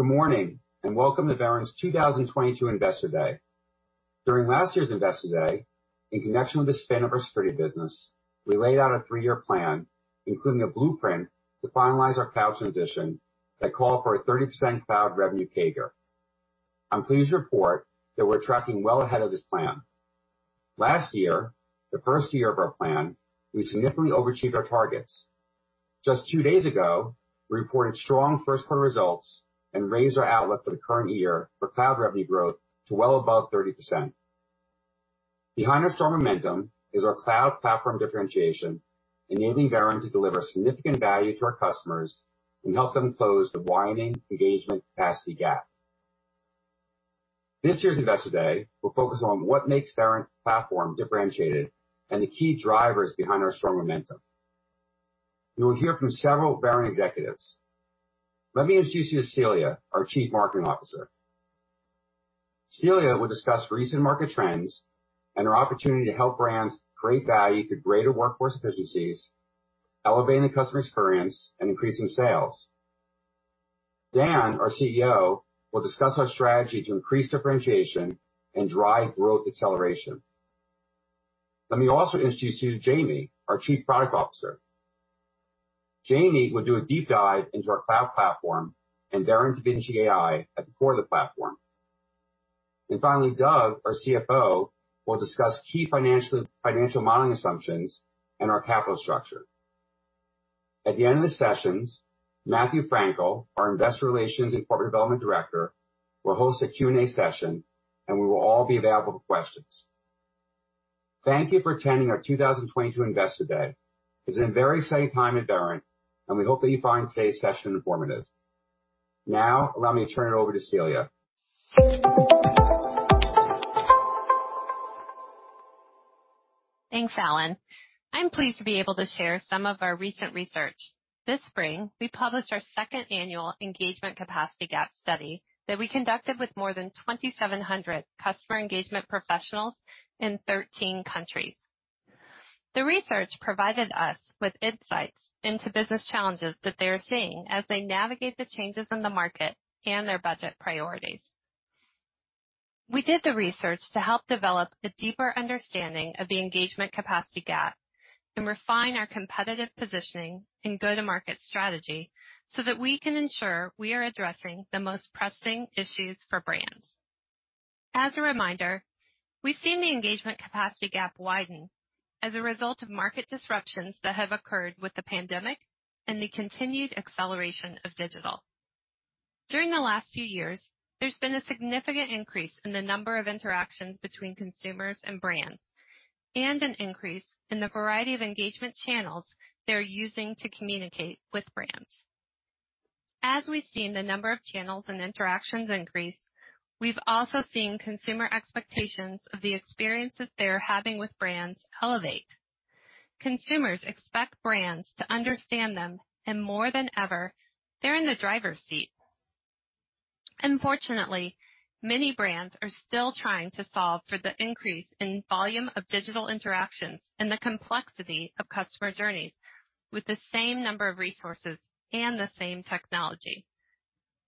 Good morning, and welcome to Verint's 2022 Investor Day. During last year's Investor Day, in connection with the spin of our security business, we laid out a three-year plan, including a blueprint to finalize our cloud transition that called for a 30% cloud revenue CAGR. I'm pleased to report that we're tracking well ahead of this plan. Last year, the first year of our plan, we significantly overachieved our targets. Just two days ago, we reported strong Q1 results and raised our outlook for the current year for cloud revenue growth to well above 30%. Behind our strong momentum is our cloud platform differentiation, enabling Verint to deliver significant value to our customers and help them close the widening Engagement Capacity Gap. This year's Investor Day will focus on what makes Verint platform differentiated and the key drivers behind our strong momentum. You will hear from several Verint executives. Let me introduce you to Celia, our Chief Marketing Officer. Celia will discuss recent market trends and our opportunity to help brands create value through greater workforce efficiencies, elevating the customer experience, and increasing sales. Dan, our CEO, will discuss our strategy to increase differentiation and drive growth acceleration. Let me also introduce you to Jaime, our Chief Product Officer. Jaime will do a deep dive into our cloud platform and Verint Da Vinci AI at the core of the platform. Finally, Doug, our CFO, will discuss key financial modeling assumptions and our capital structure. At the end of the sessions, Matthew Frankel, our Investor Relations and Corporate Development Director, will host a Q&A session, and we will all be available for questions. Thank you for attending our 2022 Investor Day. It's a very exciting time at Verint, and we hope that you find today's session informative. Now, allow me to turn it over to Celia. Thanks, Alan. I'm pleased to be able to share some of our recent research. This spring, we published our second annual Engagement Capacity Gap study that we conducted with more than 2,700 customer engagement professionals in 13 countries. The research provided us with insights into business challenges that they are seeing as they navigate the changes in the market and their budget priorities. We did the research to help develop a deeper understanding of the Engagement Capacity Gap and refine our competitive positioning and go-to-market strategy so that we can ensure we are addressing the most pressing issues for brands. As a reminder, we've seen the Engagement Capacity Gap widen as a result of market disruptions that have occurred with the pandemic and the continued acceleration of digital. During the last few years, there's been a significant increase in the number of interactions between consumers and brands, and an increase in the variety of engagement channels they're using to communicate with brands. As we've seen the number of channels and interactions increase, we've also seen consumer expectations of the experiences they're having with brands elevate. Consumers expect brands to understand them, and more than ever, they're in the driver's seat. Unfortunately, many brands are still trying to solve for the increase in volume of digital interactions and the complexity of customer journeys with the same number of resources and the same technology.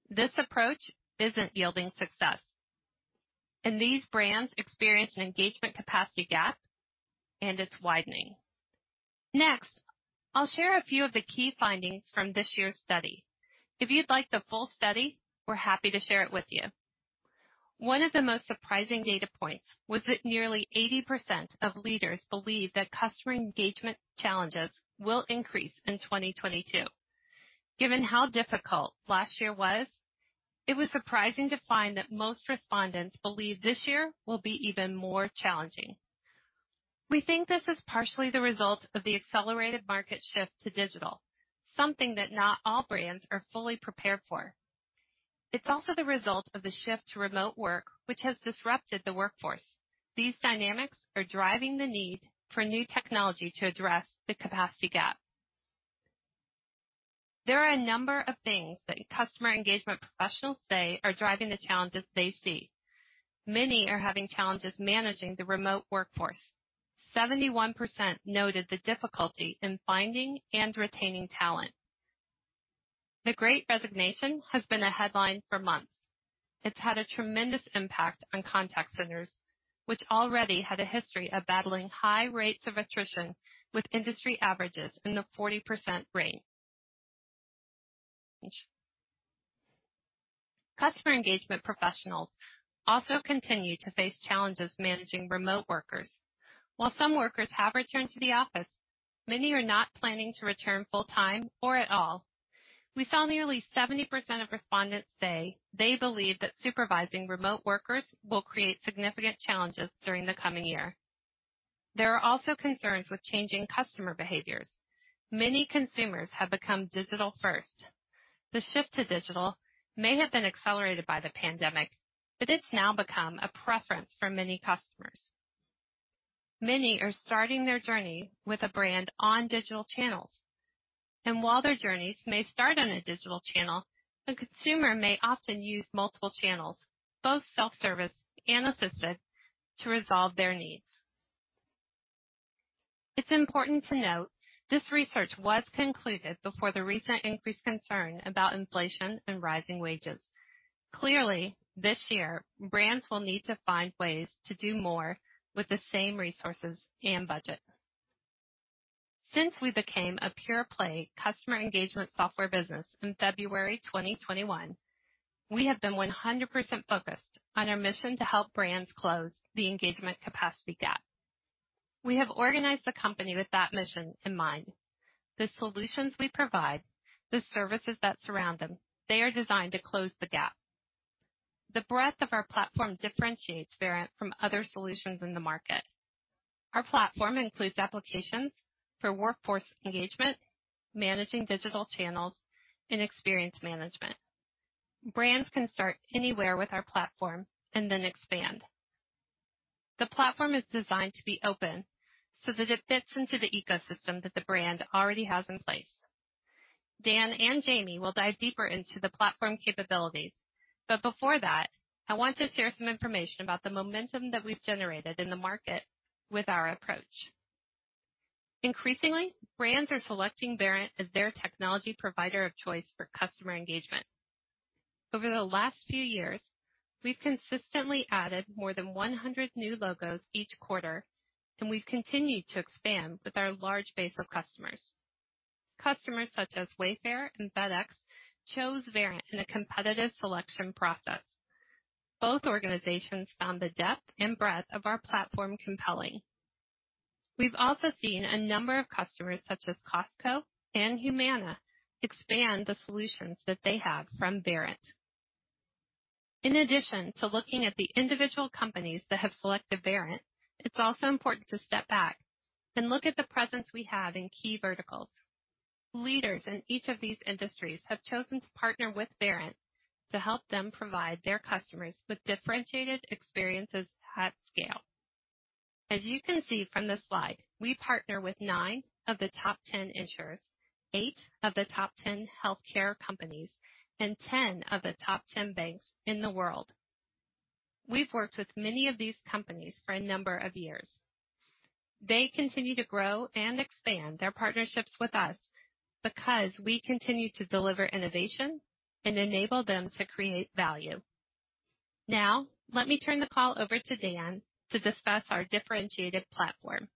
This approach isn't yielding success, and these brands experience an Engagement Capacity Gap, and it's widening. Next, I'll share a few of the key findings from this year's study. If you'd like the full study, we're happy to share it with you. One of the most surprising data points was that nearly 80% of leaders believe that customer engagement challenges will increase in 2022. Given how difficult last year was, it was surprising to find that most respondents believe this year will be even more challenging. We think this is partially the result of the accelerated market shift to digital, something that not all brands are fully prepared for. It's also the result of the shift to remote work, which has disrupted the workforce. These dynamics are driving the need for new technology to address the capacity gap. There are a number of things that customer engagement professionals say are driving the challenges they see. Many are having challenges managing the remote workforce. 71% noted the difficulty in finding and retaining talent. The Great Resignation has been a headline for months. It's had a tremendous impact on contact centers, which already had a history of battling high rates of attrition, with industry averages in the 40% range. Customer Engagement professionals also continue to face challenges managing remote workers. While some workers have returned to the office, many are not planning to return full-time or at all. We saw nearly 70% of respondents say they believe that supervising remote workers will create significant challenges during the coming year. There are also concerns with changing customer behaviors. Many consumers have become digital first. The shift to digital may have been accelerated by the pandemic, but it's now become a preference for many customers. Many are starting their journey with a brand on digital channels. While their journeys may start on a digital channel, the consumer may often use multiple channels, both self-service and assisted, to resolve their needs. It's important to note this research was concluded before the recent increased concern about inflation and rising wages. Clearly, this year brands will need to find ways to do more with the same resources and budget. Since we became a pure play customer engagement software business in February 2021, we have been 100% focused on our mission to help brands close the Engagement Capacity Gap. We have organized the company with that mission in mind. The solutions we provide, the services that surround them, they are designed to close the gap. The breadth of our platform differentiates Verint from other solutions in the market. Our platform includes applications for workforce engagement, managing digital channels, and experience management. Brands can start anywhere with our platform and then expand. The platform is designed to be open so that it fits into the ecosystem that the brand already has in place. Dan and Jaime will dive deeper into the platform capabilities. Before that, I want to share some information about the momentum that we've generated in the market with our approach. Increasingly, brands are selecting Verint as their technology provider of choice for customer engagement. Over the last few years, we've consistently added more than 100 new logos each quarter, and we've continued to expand with our large base of customers. Customers such as Wayfair and FedEx chose Verint in a competitive selection process. Both organizations found the depth and breadth of our platform compelling. We've also seen a number of customers, such as Costco and Humana, expand the solutions that they have from Verint. In addition to looking at the individual companies that have selected Verint, it's also important to step back and look at the presence we have in key verticals. Leaders in each of these industries have chosen to partner with Verint to help them provide their customers with differentiated experiences at scale. As you can see from this slide, we partner with nine of the top 10 insurers, eight of the top 10 healthcare companies, and 10 of the top 10 banks in the world. We've worked with many of these companies for a number of years. They continue to grow and expand their partnerships with us because we continue to deliver innovation and enable them to create value. Now, let me turn the call over to Dan to discuss our differentiated platform.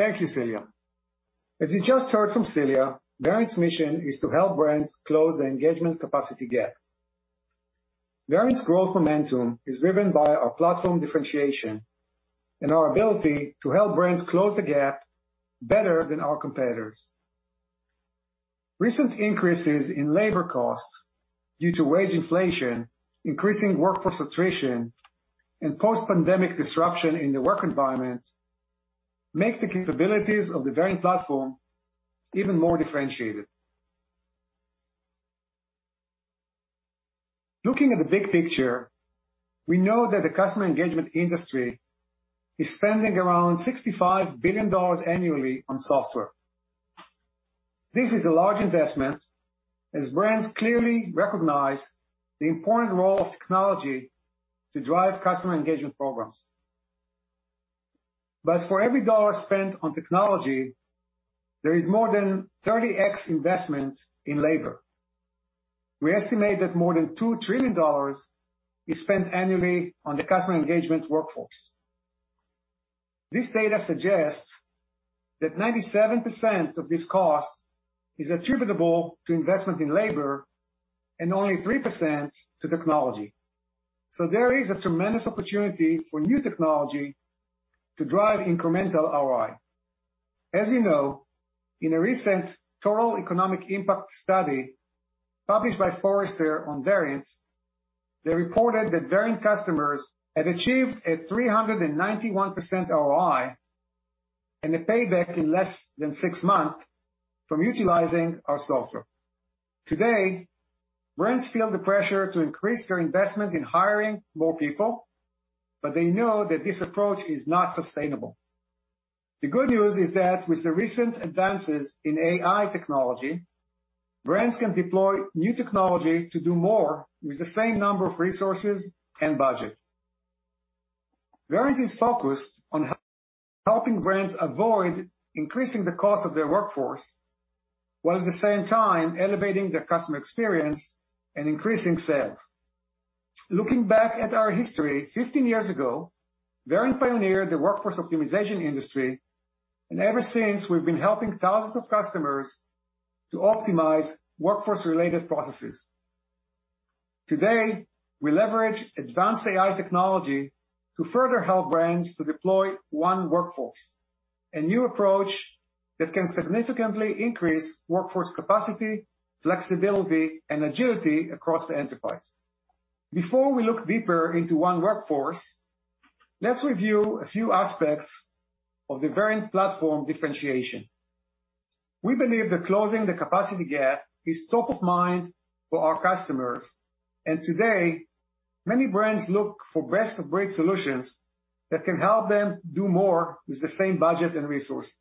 Thank you, Celia. As you just heard from Celia, Verint's mission is to help brands close the Engagement Capacity Gap. Verint's growth momentum is driven by our platform differentiation and our ability to help brands close the gap better than our competitors. Recent increases in labor costs due to wage inflation, increasing workforce attrition, and post-pandemic disruption in the work environment make the capabilities of the Verint platform even more differentiated. Looking at the big picture, we know that the customer engagement industry is spending around $65 billion annually on software. This is a large investment as brands clearly recognize the important role of technology to drive customer engagement programs. For every dollar spent on technology, there is more than 30x investment in labor. We estimate that more than $2 trillion is spent annually on the customer engagement workforce. This data suggests that 97% of this cost is attributable to investment in labor and only 3% to technology. There is a tremendous opportunity for new technology to drive incremental ROI. As you know, in a recent Total Economic Impact study published by Forrester on Verint, they reported that Verint customers have achieved a 391% ROI and a payback in less than six months from utilizing our software. Today, brands feel the pressure to increase their investment in hiring more people, but they know that this approach is not sustainable. The good news is that with the recent advances in AI technology, brands can deploy new technology to do more with the same number of resources and budget. Verint is focused on helping brands avoid increasing the cost of their workforce, while at the same time elevating the customer experience and increasing sales. Looking back at our history, 15 years ago, Verint pioneered the workforce optimization industry, and ever since we've been helping thousands of customers to optimize workforce-related processes. Today, we leverage advanced AI technology to further help brands to deploy One Workforce, a new approach that can significantly increase workforce capacity, flexibility, and agility across the enterprise. Before we look deeper into One Workforce, let's review a few aspects of the Verint platform differentiation. We believe that closing the capacity gap is top of mind for our customers, and today, many brands look for best of breed solutions that can help them do more with the same budget and resources.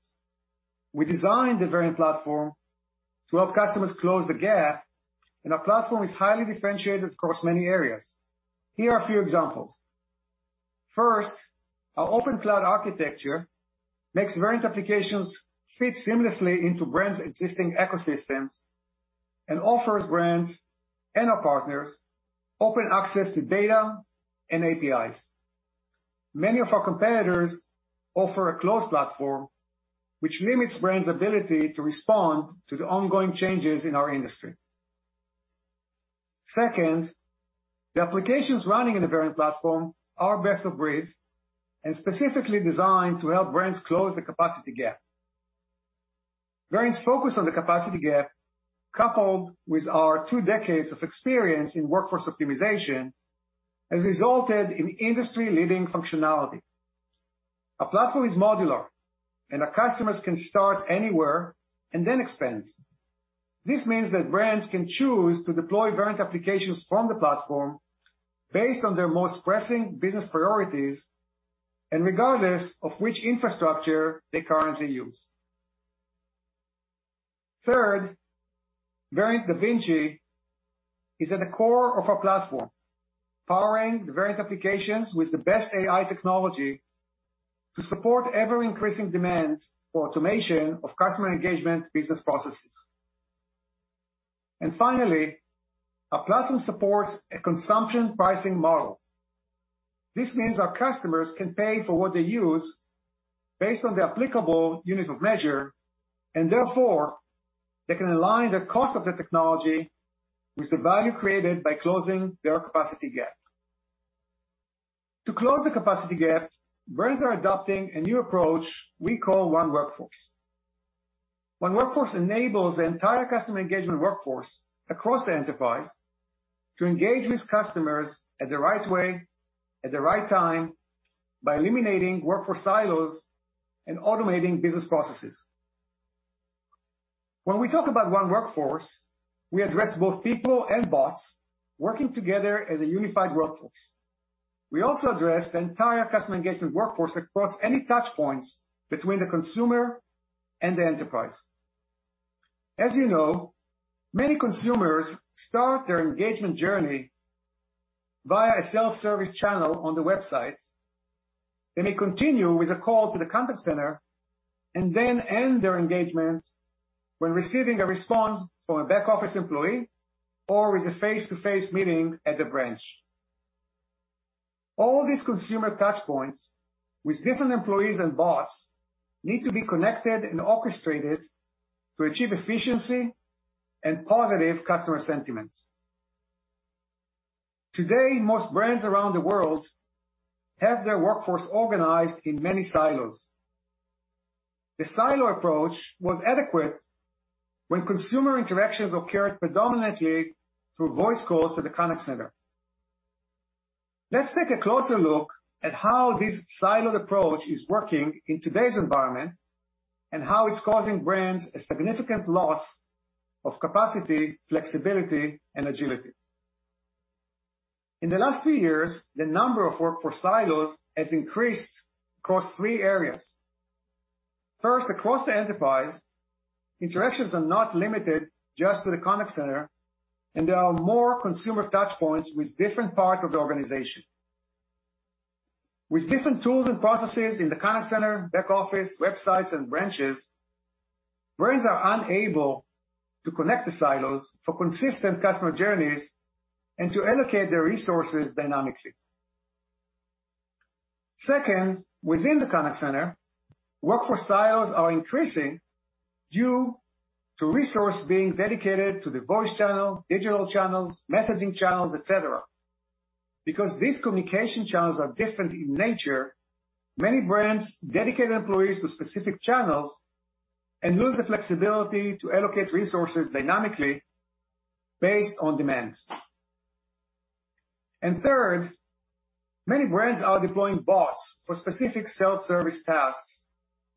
We designed the Verint platform to help customers close the gap, and our platform is highly differentiated across many areas. Here are a few examples. First, our open cloud architecture makes Verint applications fit seamlessly into brand's existing ecosystems and offers brands and our partners open access to data and APIs. Many of our competitors offer a closed platform which limits brand's ability to respond to the ongoing changes in our industry. Second, the applications running in the Verint platform are best of breed and specifically designed to help brands close the capacity gap. Verint's focus on the capacity gap, coupled with our two decades of experience in workforce optimization, has resulted in industry-leading functionality. Our platform is modular, and our customers can start anywhere and then expand. This means that brands can choose to deploy Verint applications from the platform based on their most pressing business priorities and regardless of which infrastructure they currently use. Third, Verint Da Vinci is at the core of our platform, powering the Verint applications with the best AI technology to support ever-increasing demand for automation of customer engagement business processes. Finally, our platform supports a consumption pricing model. This means our customers can pay for what they use based on the applicable units of measure, and therefore, they can align the cost of the technology with the value created by closing their capacity gap. To close the capacity gap, brands are adopting a new approach we call One Workforce. One Workforce enables the entire customer engagement workforce across the enterprise to engage with customers at the right way, at the right time by eliminating workforce silos and automating business processes. When we talk about One Workforce, we address both people and bots working together as a unified workforce. We also address the entire customer engagement workforce across any touch points between the consumer and the enterprise. As you know, many consumers start their engagement journey via a self-service channel on the website. They may continue with a call to the contact center and then end their engagement when receiving a response from a back-office employee or with a face-to-face meeting at the branch. All these consumer touch points with different employees and bots need to be connected and orchestrated to achieve efficiency and positive customer sentiments. Today, most brands around the world have their workforce organized in many silos. The silo approach was adequate when consumer interactions occurred predominantly through voice calls to the contact center. Let's take a closer look at how this silos approach is working in today's environment and how it's causing brands a significant loss of capacity, flexibility, and agility. In the last few years, the number of workforce silos has increased across three areas. First, across the enterprise, interactions are not limited just to the contact center, and there are more consumer touch points with different parts of the organization. With different tools and processes in the contact center, back office, websites, and branches, brands are unable to connect the silos for consistent customer journeys and to allocate their resources dynamically. Second, within the contact center, workforce silos are increasing due to resource being dedicated to the voice channel, digital channels, messaging channels, et cetera. Because these communication channels are different in nature, many brands dedicate employees to specific channels and lose the flexibility to allocate resources dynamically based on demands. Third, many brands are deploying bots for specific self-service tasks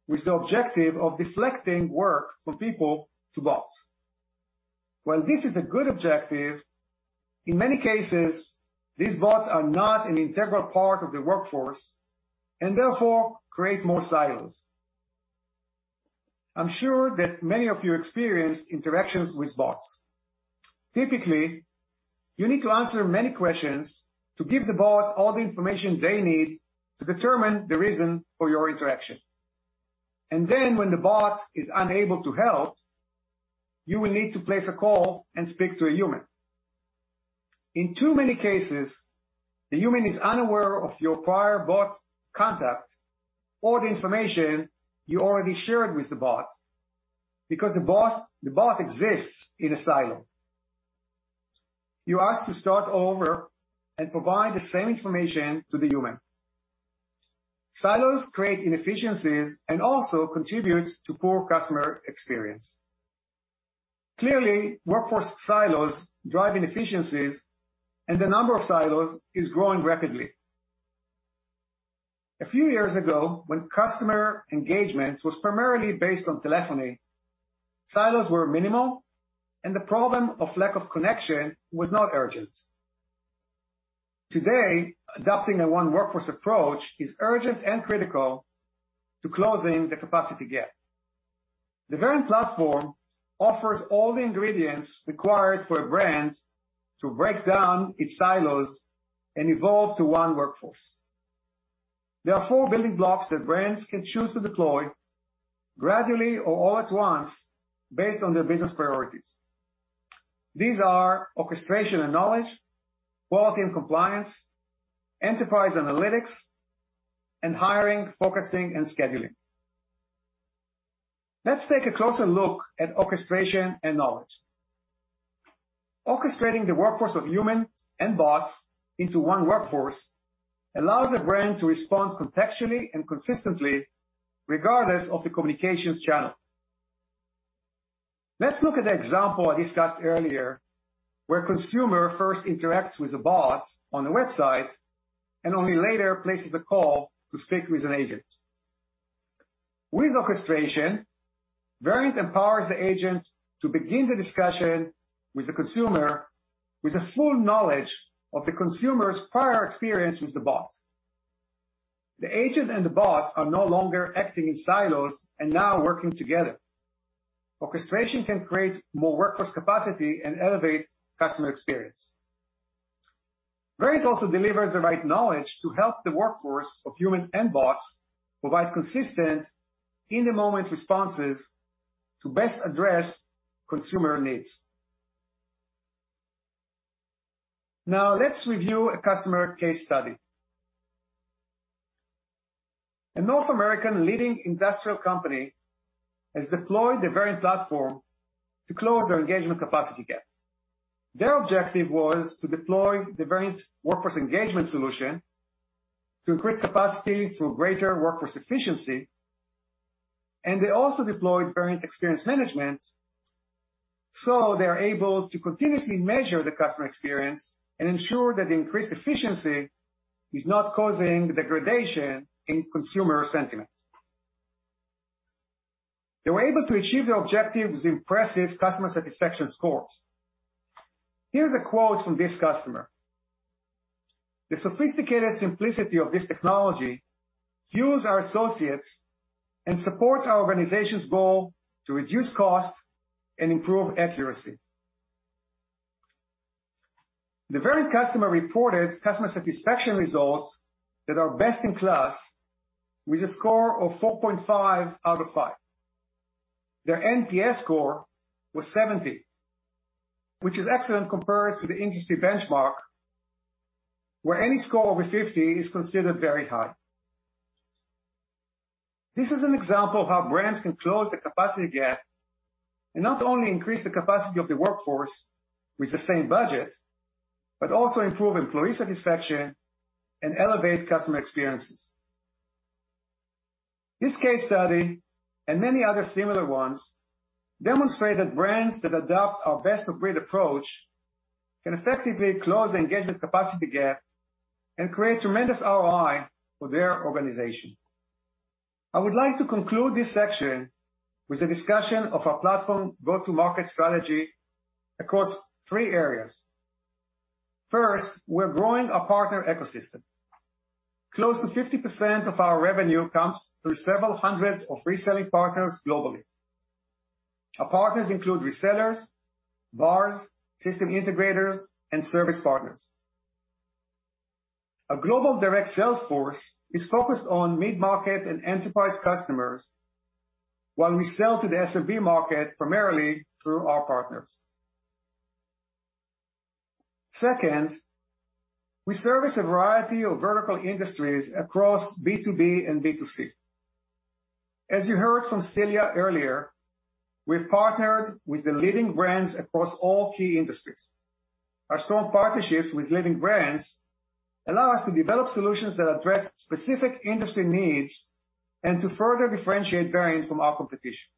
with the objective of deflecting work from people to bots. While this is a good objective, in many cases these bots are not an integral part of the workforce and therefore create more silos. I'm sure that many of you experienced interactions with bots. Typically, you need to answer many questions to give the bot all the information they need to determine the reason for your interaction. Then when the bot is unable to help, you will need to place a call and speak to a human. In too many cases, the human is unaware of your prior bot contact or the information you already shared with the bot because the bot exists in a silo. You ask to start over and provide the same information to the human. Silos create inefficiencies and also contributes to poor customer experience. Clearly, workforce silos drive inefficiencies, and the number of silos is growing rapidly. A few years ago, when customer engagement was primarily based on telephony, silos were minimal, and the problem of lack of connection was not urgent. Today, adopting a One Workforce approach is urgent and critical to closing the capacity gap. The Verint platform offers all the ingredients required for a brand to break down its silos and evolve to One Workforce. There are four building blocks that brands can choose to deploy gradually or all at once based on their business priorities. These are orchestration and knowledge, quality and compliance, enterprise analytics, and hiring, focusing, and scheduling. Let's take a closer look at orchestration and knowledge. Orchestrating the workforce of human and bots into One Workforce allows the brand to respond contextually and consistently, regardless of the communications channel. Let's look at the example I discussed earlier, where consumer first interacts with a bot on the website and only later places a call to speak with an agent. With orchestration, Verint empowers the agent to begin the discussion with the consumer with a full knowledge of the consumer's prior experience with the bot. The agent and the bot are no longer acting in silos and now working together. Orchestration can create more workforce capacity and elevate customer experience. Verint also delivers the right knowledge to help the workforce of humans and bots provide consistent in-the-moment responses to best address consumer needs. Now let's review a customer case study. A North American leading industrial company has deployed the Verint platform to close their Engagement Capacity Gap. Their objective was to deploy the Verint Workforce Engagement solution to increase capacity through greater workforce efficiency. They also deployed Verint Enterprise Experience Management, so they're able to continuously measure the customer experience and ensure that the increased efficiency is not causing degradation in consumer sentiment. They were able to achieve their objectives with impressive customer satisfaction scores. Here's a quote from this customer. "The sophisticated simplicity of this technology fuels our associates and supports our organization's goal to reduce costs and improve accuracy." The Verint customer reported customer satisfaction results that are best-in-class with a score of 4.5 out of 5. Their NPS score was 70, which is excellent compared to the industry benchmark, where any score over 50 is considered very high. This is an example of how brands can close the capacity gap and not only increase the capacity of the workforce with the same budget, but also improve employee satisfaction and elevate customer experiences. This case study, and many other similar ones, demonstrate that brands that adopt our best-of-breed approach can effectively close the Engagement Capacity Gap and create tremendous ROI for their organization. I would like to conclude this section with a discussion of our platform go-to-market strategy across three areas. First, we're growing our partner ecosystem. Close to 50% of our revenue comes through several hundreds of reselling partners globally. Our partners include resellers, VARs, system integrators, and service partners. A global direct sales force is focused on mid-market and enterprise customers, while we sell to the SMB market primarily through our partners. Second, we service a variety of vertical industries across B2B and B2C. As you heard from Celia earlier, we've partnered with the leading brands across all key industries. Our strong partnerships with leading brands allow us to develop solutions that address specific industry needs and to further differentiate Verint from our competition.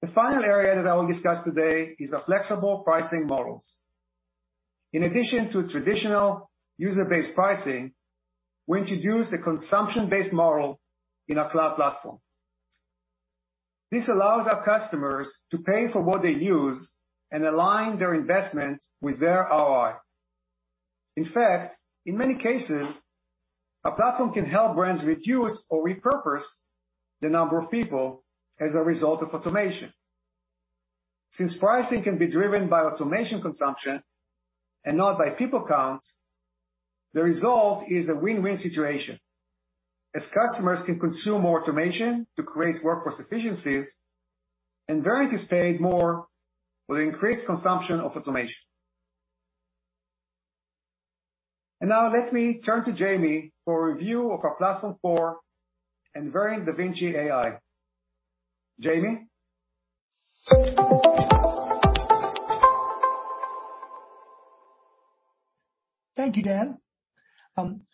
The final area that I will discuss today is our flexible pricing models. In addition to traditional user-based pricing, we introduced a consumption-based model in our cloud platform. This allows our customers to pay for what they use and align their investment with their ROI. In fact, in many cases, our platform can help brands reduce or repurpose the number of people as a result of automation. Since pricing can be driven by automation consumption and not by people count, the result is a win-win situation, as customers can consume more automation to create workforce efficiencies and Verint is paid more with increased consumption of automation. Now, let me turn to Jaime for a review of our platform core and Verint Da Vinci AI. Jaime? Thank you, Dan.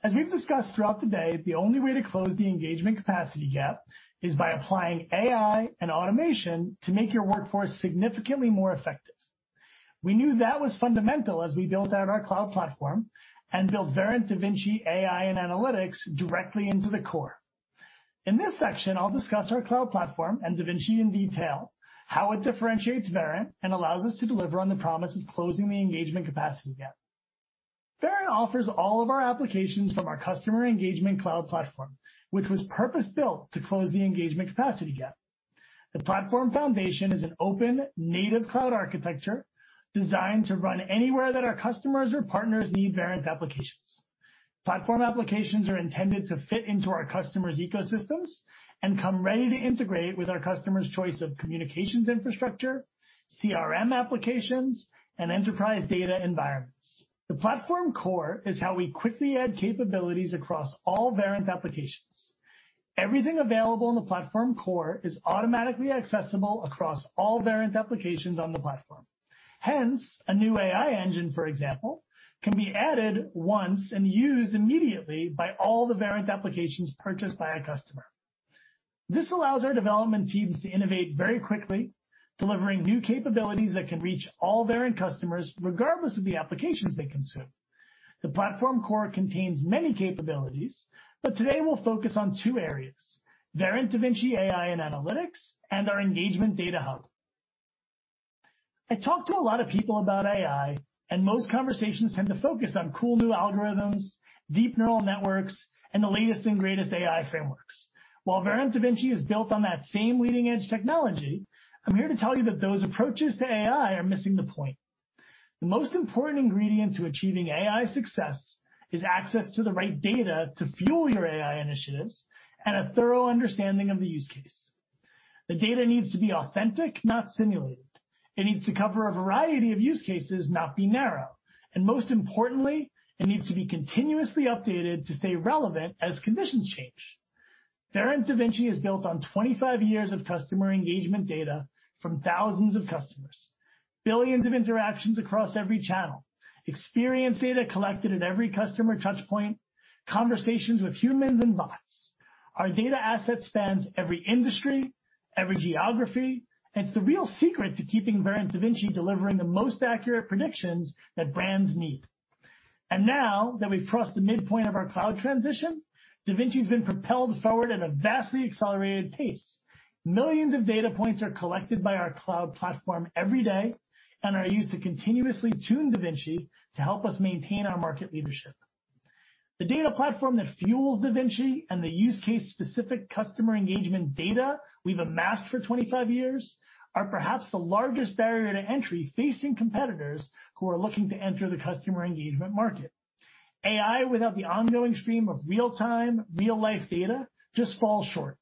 As we've discussed throughout the day, the only way to close the Engagement Capacity Gap is by applying AI and automation to make your workforce significantly more effective. We knew that was fundamental as we built out our cloud platform and built Verint Da Vinci AI and analytics directly into the core. In this section, I'll discuss our cloud platform and Da Vinci in detail, how it differentiates Verint, and allows us to deliver on the promise of closing the Engagement Capacity Gap. Verint offers all of our applications from our customer engagement cloud platform, which was purpose-built to close the Engagement Capacity Gap. The platform foundation is an open native cloud architecture designed to run anywhere that our customers or partners need Verint applications. Platform applications are intended to fit into our customers' ecosystems and come ready to integrate with our customers' choice of communications infrastructure, CRM applications, and enterprise data environments. The platform core is how we quickly add capabilities across all Verint applications. Everything available in the platform core is automatically accessible across all Verint applications on the platform. Hence, a new AI engine, for example, can be added once and used immediately by all the Verint applications purchased by a customer. This allows our development teams to innovate very quickly, delivering new capabilities that can reach all Verint customers regardless of the applications they consume. The platform core contains many capabilities, but today we'll focus on two areas, Verint Da Vinci AI and analytics, and our Engagement Data Hub. I talked to a lot of people about AI, and most conversations tend to focus on cool new algorithms, deep neural networks, and the latest and greatest AI frameworks. While Verint Da Vinci is built on that same leading-edge technology, I'm here to tell you that those approaches to AI are missing the point. The most important ingredient to achieving AI success is access to the right data to fuel your AI initiatives and a thorough understanding of the use case. The data needs to be authentic, not simulated. It needs to cover a variety of use cases, not be narrow. Most importantly, it needs to be continuously updated to stay relevant as conditions change. Verint Da Vinci is built on 25 years of customer engagement data from thousands of customers, billions of interactions across every channel, experience data collected at every customer touch point, conversations with humans and bots. Our data asset spans every industry, every geography, and it's the real secret to keeping Verint Da Vinci delivering the most accurate predictions that brands need. Now that we've crossed the midpoint of our cloud transition, Da Vinci has been propelled forward at a vastly accelerated pace. Millions of data points are collected by our cloud platform every day and are used to continuously tune Da Vinci to help us maintain our market leadership. The data platform that fuels Da Vinci and the use case-specific customer engagement data we've amassed for 25 years are perhaps the largest barrier to entry facing competitors who are looking to enter the customer engagement market. AI without the ongoing stream of real-time, real-life data, just falls short.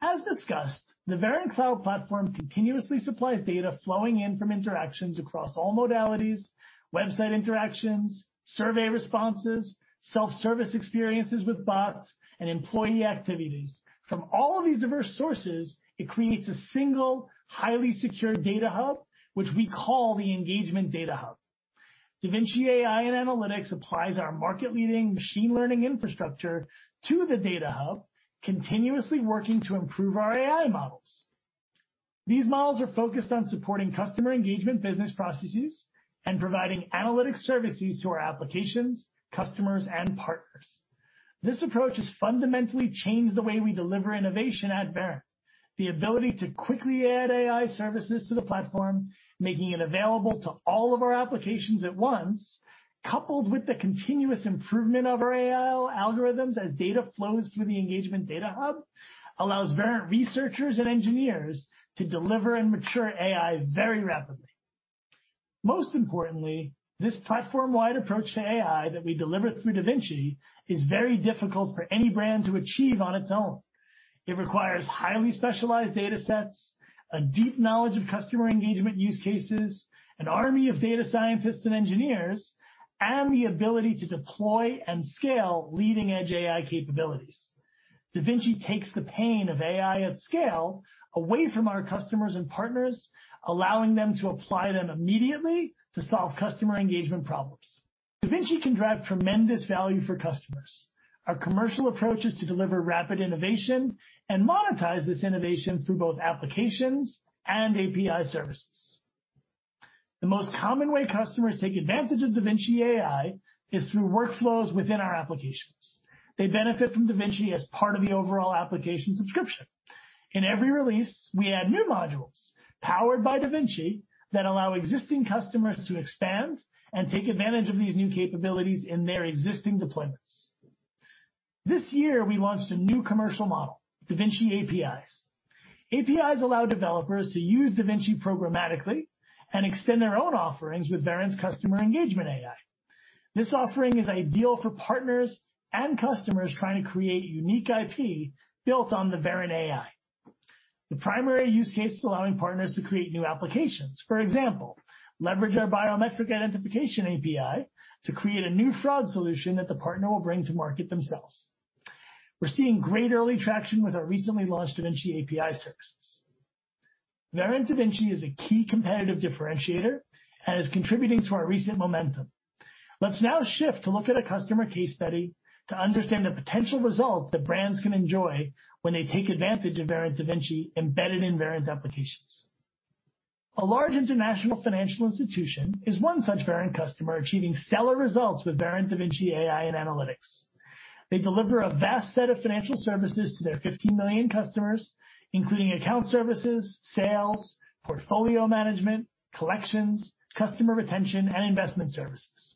As discussed, the Verint Cloud Platform continuously supplies data flowing in from interactions across all modalities, website interactions, survey responses, self-service experiences with bots, and employee activities. From all of these diverse sources, it creates a single, highly secured data hub, which we call the Engagement Data Hub. Da Vinci AI and analytics applies our market-leading machine learning infrastructure to the data hub, continuously working to improve our AI models. These models are focused on supporting customer engagement business processes and providing analytics services to our applications, customers, and partners. This approach has fundamentally changed the way we deliver innovation at Verint. The ability to quickly add AI services to the platform, making it available to all of our applications at once, coupled with the continuous improvement of our AI algorithms as data flows through the Engagement Data Hub, allows Verint researchers and engineers to deliver and mature AI very rapidly. Most importantly, this platform-wide approach to AI that we deliver through Da Vinci is very difficult for any brand to achieve on its own. It requires highly specialized data sets, a deep knowledge of customer engagement use cases, an army of data scientists and engineers, and the ability to deploy and scale leading-edge AI capabilities. Da Vinci takes the pain of AI at scale away from our customers and partners, allowing them to apply them immediately to solve customer engagement problems. Da Vinci can drive tremendous value for customers. Our commercial approach is to deliver rapid innovation and monetize this innovation through both applications and API services. The most common way customers take advantage of Da Vinci AI is through workflows within our applications. They benefit from Da Vinci as part of the overall application subscription. In every release, we add new modules powered by Da Vinci that allow existing customers to expand and take advantage of these new capabilities in their existing deployments. This year, we launched a new commercial model, Da Vinci APIs. APIs allow developers to use Da Vinci programmatically and extend their own offerings with Verint's customer engagement AI. This offering is ideal for partners and customers trying to create unique IP built on the Verint AI. The primary use case is allowing partners to create new applications. For example, leverage our biometric identification API to create a new fraud solution that the partner will bring to market themselves. We're seeing great early traction with our recently launched Da Vinci AI services. Verint Da Vinci is a key competitive differentiator and is contributing to our recent momentum. Let's now shift to look at a customer case study to understand the potential results that brands can enjoy when they take advantage of Verint Da Vinci embedded in Verint applications. A large international financial institution is one such Verint customer achieving stellar results with Verint Da Vinci AI and analytics. They deliver a vast set of financial services to their 15 million customers, including account services, sales, portfolio management, collections, customer retention, and investment services.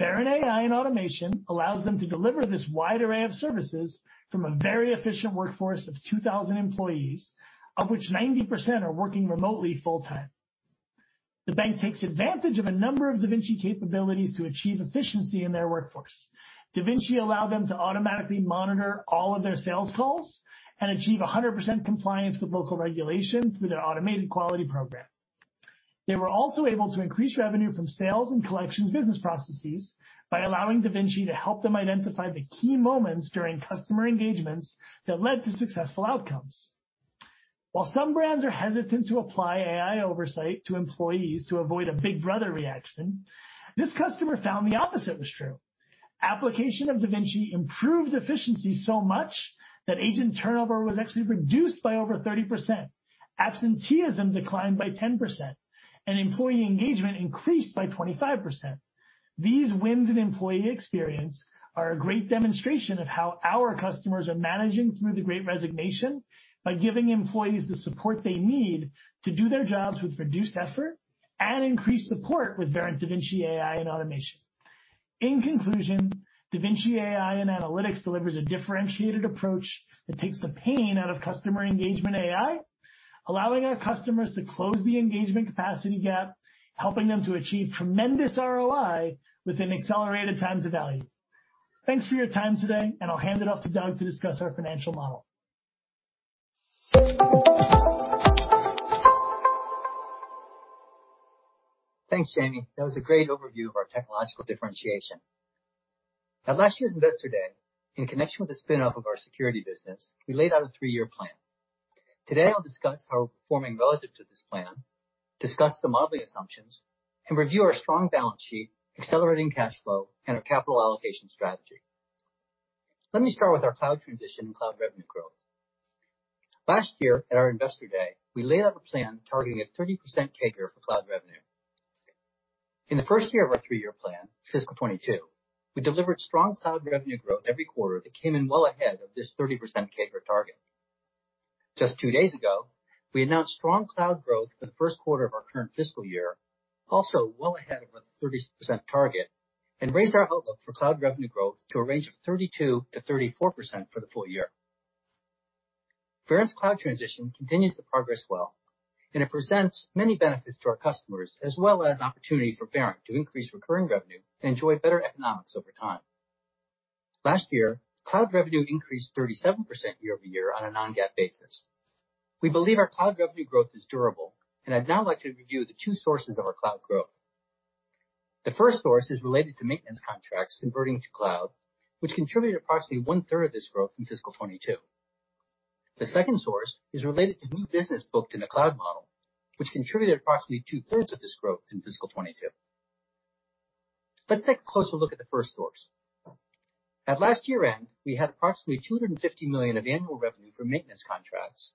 Verint AI and automation allows them to deliver this wide array of services from a very efficient workforce of 2,000 employees, of which 90% are working remotely full-time. The bank takes advantage of a number of Da Vinci capabilities to achieve efficiency in their workforce. Da Vinci allow them to automatically monitor all of their sales calls and achieve 100% compliance with local regulations through their automated quality program. They were also able to increase revenue from sales and collections business processes by allowing Da Vinci to help them identify the key moments during customer engagements that led to successful outcomes. While some brands are hesitant to apply AI oversight to employees to avoid a big brother reaction, this customer found the opposite was true. Application of Da Vinci improved efficiency so much that agent turnover was actually reduced by over 30%. Absenteeism declined by 10%, and employee engagement increased by 25%. These wins in employee experience are a great demonstration of how our customers are managing through the Great Resignation by giving employees the support they need to do their jobs with reduced effort and increased support with Verint Da Vinci AI and automation. In conclusion, Da Vinci AI and analytics delivers a differentiated approach that takes the pain out of customer engagement AI, allowing our customers to close the Engagement Capacity Gap, helping them to achieve tremendous ROI with an accelerated time to value. Thanks for your time today, and I'll hand it off to Doug to discuss our financial model. Thanks, Jaime. That was a great overview of our technological differentiation. At last year's Investor Day, in connection with the spin-off of our security business, we laid out a three-year plan. Today, I'll discuss how we're performing relative to this plan, discuss some modeling assumptions, and review our strong balance sheet, accelerating cash flow, and our capital allocation strategy. Let me start with our cloud transition and cloud revenue growth. Last year at our Investor Day, we laid out a plan targeting a 30% CAGR for cloud revenue. In the first year of our three-year plan, fiscal 2022, we delivered strong cloud revenue growth every quarter that came in well ahead of this 30% CAGR target. Just two days ago, we announced strong cloud growth for the Q1 of our current fiscal year, also well ahead of our 30% target, and raised our outlook for cloud revenue growth to a range of 32%-34% for the full year. Verint's cloud transition continues to progress well, and it presents many benefits to our customers as well as opportunity for Verint to increase recurring revenue and enjoy better economics over time. Last year, cloud revenue increased 37% year-over-year on a non-GAAP basis. We believe our cloud revenue growth is durable, and I'd now like to review the two sources of our cloud growth. The first source is related to maintenance contracts converting to cloud, which contributed approximately 1/3 of this growth in fiscal 2022. The second source is related to new business booked in the cloud model, which contributed approximately two-thirds of this growth in fiscal 2022. Let's take a closer look at the first source. At last year-end, we had approximately $250 million of annual revenue from maintenance contracts,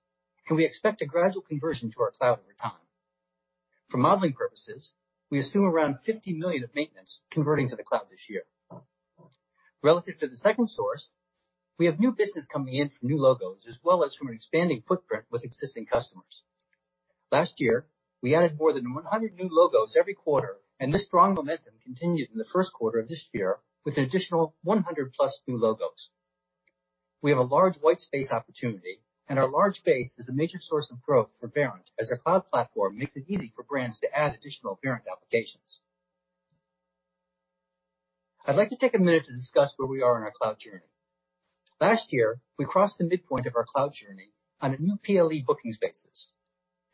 and we expect a gradual conversion to our cloud over time. For modeling purposes, we assume around $50 million of maintenance converting to the cloud this year. Relative to the second source, we have new business coming in from new logos as well as from an expanding footprint with existing customers. Last year, we added more than 100 new logos every quarter, and this strong momentum continued in the Q1 of this year with an additional 100+ new logos. We have a large white space opportunity, and our large base is a major source of growth for Verint as our cloud platform makes it easy for brands to add additional Verint applications. I'd like to take a minute to discuss where we are in our cloud journey. Last year, we crossed the midpoint of our cloud journey on a new PLE bookings basis.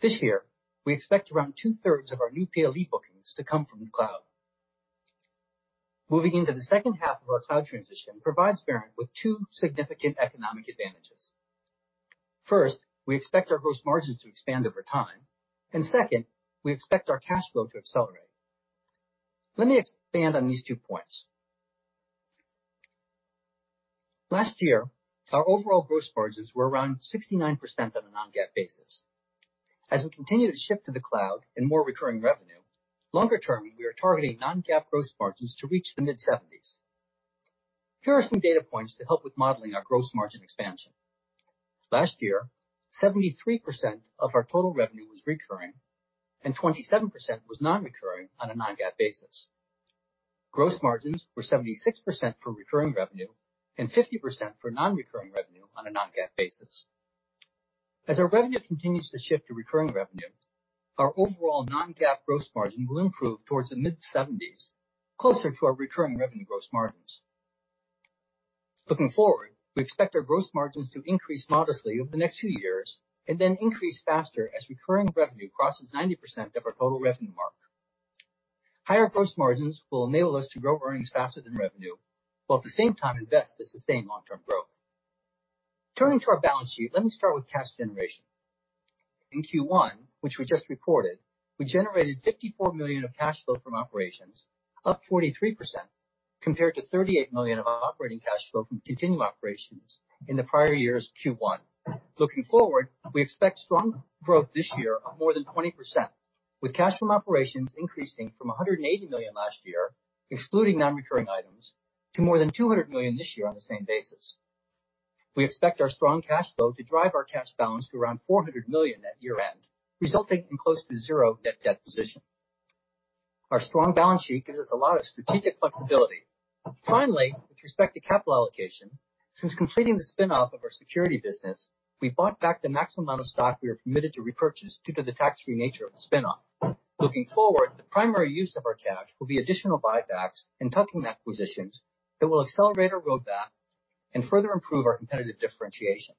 This year, we expect around two-thirds of our new PLE bookings to come from the cloud. Moving into the second half of our cloud transition provides Verint with two significant economic advantages. First, we expect our gross margins to expand over time. Second, we expect our cash flow to accelerate. Let me expand on these two points. Last year, our overall gross margins were around 69% on a non-GAAP basis. As we continue to shift to the cloud and more recurring revenue, longer term, we are targeting non-GAAP gross margins to reach the mid-70s. Here are some data points to help with modeling our gross margin expansion. Last year, 73% of our total revenue was recurring and 27% was non-recurring on a non-GAAP basis. Gross margins were 76% for recurring revenue and 50% for non-recurring revenue on a non-GAAP basis. As our revenue continues to shift to recurring revenue, our overall non-GAAP gross margin will improve towards the mid-70s, closer to our recurring revenue gross margins. Looking forward, we expect our gross margins to increase modestly over the next few years and then increase faster as recurring revenue crosses 90% of our total revenue mark. Higher gross margins will enable us to grow earnings faster than revenue, while at the same time invest to sustain long-term growth. Turning to our balance sheet, let me start with cash generation. In Q1, which we just reported, we generated $54 million of cash flow from operations, up 43%. Compared to $38 million of operating cash flow from continuing operations in the prior year's Q1. Looking forward, we expect strong growth this year of more than 20%, with cash from operations increasing from $180 million last year, excluding non-recurring items, to more than $200 million this year on the same basis. We expect our strong cash flow to drive our cash balance to around $400 million at year-end, resulting in close to zero net debt position. Our strong balance sheet gives us a lot of strategic flexibility. Finally, with respect to capital allocation, since completing the spin-off of our security business, we bought back the maximum amount of stock we are permitted to repurchase due to the tax-free nature of the spin-off. Looking forward, the primary use of our cash will be additional buybacks and tuck-in acquisitions that will accelerate our roadmap and further improve our competitive differentiation.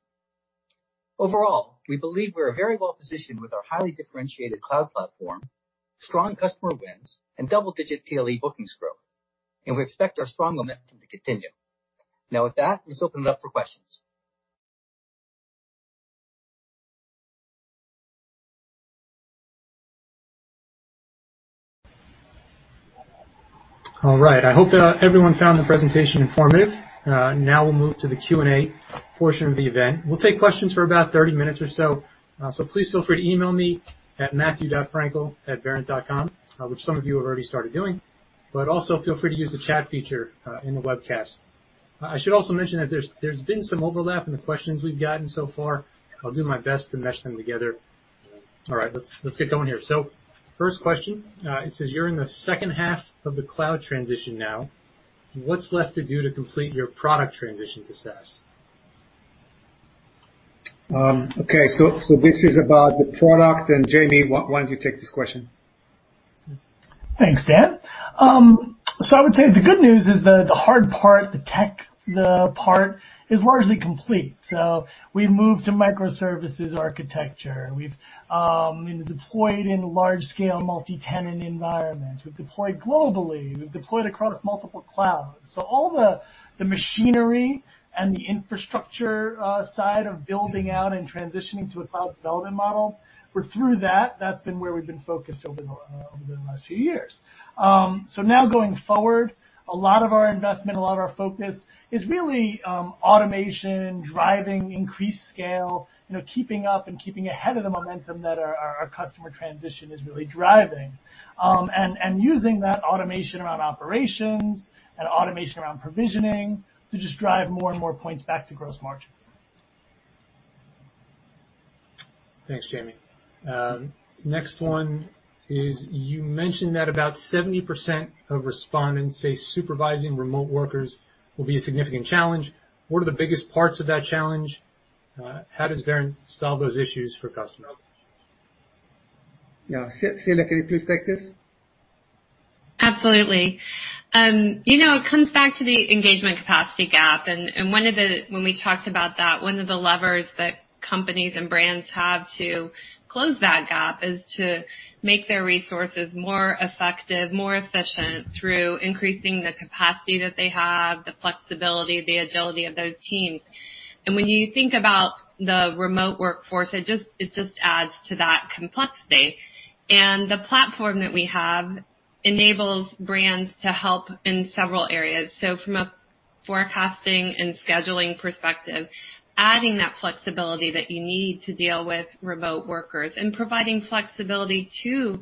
Overall, we believe we are very well positioned with our highly differentiated cloud platform, strong customer wins, and double-digit PLE bookings growth, and we expect our strong momentum to continue. Now with that, let's open it up for questions. All right. I hope that everyone found the presentation informative. Now we'll move to the Q&A portion of the event. We'll take questions for about 30 minutes or so. Please feel free to email me at matthew.frankel@verint.com, which some of you have already started doing, but also feel free to use the chat feature in the webcast. I should also mention that there's been some overlap in the questions we've gotten so far. I'll do my best to mesh them together. All right, let's get going here. First question, it says, "You're in the second half of the cloud transition now. What's left to do to complete your product transition to SaaS?" Okay, so this is about the product. Jaime, why don't you take this question? Thanks, Dan. I would say the good news is that the hard part, the tech, the part, is largely complete. We've moved to microservices architecture. We've deployed in large scale multi-tenant environments. We've deployed globally. We've deployed across multiple clouds. All the machinery and the infrastructure side of building out and transitioning to a cloud development model, we're through that. That's been where we've been focused over the last few years. Now going forward, a lot of our investment, a lot of our focus is really automation, driving increased scale, you know, keeping up and keeping ahead of the momentum that our customer transition is really driving. Using that automation around operations and automation around provisioning to just drive more and more points back to gross margin. Thanks, Jaime. Next one is, you mentioned that about 70% of respondents say supervising remote workers will be a significant challenge. What are the biggest parts of that challenge? How does Verint solve those issues for customers? Yeah. Celia, can you please take this? Absolutely. You know, it comes back to the Engagement Capacity Gap, and when we talked about that, one of the levers that companies and brands have to close that gap is to make their resources more effective, more efficient through increasing the capacity that they have, the flexibility, the agility of those teams. When you think about the remote workforce, it just adds to that complexity. The platform that we have enables brands to help in several areas. From a forecasting and scheduling perspective, adding that flexibility that you need to deal with remote workers and providing flexibility to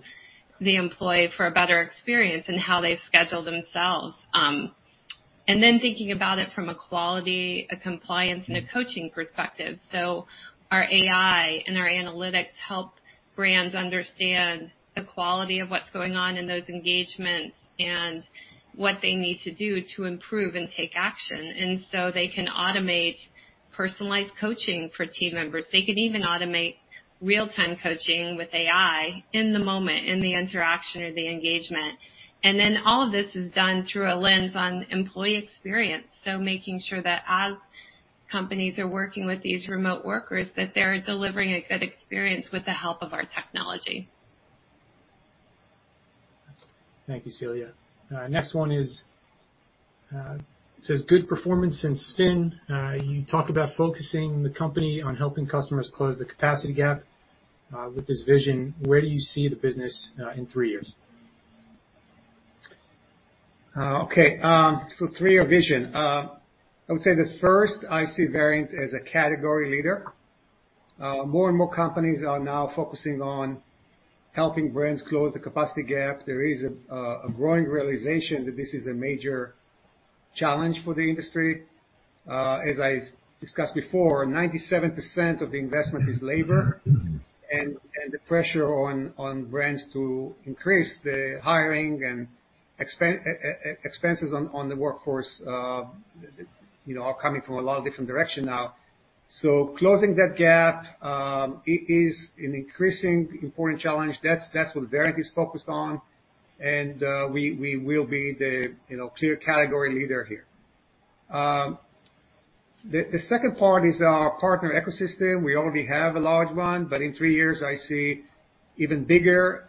the employee for a better experience in how they schedule themselves. Thinking about it from a quality, a compliance, and a coaching perspective. Our AI and our analytics help brands understand the quality of what's going on in those engagements and what they need to do to improve and take action. They can automate personalized coaching for team members. They can even automate real-time coaching with AI in the moment, in the interaction or the engagement. All of this is done through a lens on employee experience. Making sure that as companies are working with these remote workers, that they're delivering a good experience with the help of our technology. Thank you, Celia. Next one is, it says, "Good performance since spin. You talk about focusing the company on helping customers close the capacity gap, with this vision. Where do you see the business, in three years?" Okay. Three-year vision. I would say that first, I see Verint as a category leader. More and more companies are now focusing on helping brands close the capacity gap. There is a growing realization that this is a major challenge for the industry. As I discussed before, 97% of the investment is labor, and the pressure on brands to increase the hiring and expenses on the workforce, you know, are coming from a lot of different directions now. Closing that gap is an increasingly important challenge. That's what Verint is focused on, and we will be the clear category leader here. The second part is our partner ecosystem. We already have a large one, but in three years I see even bigger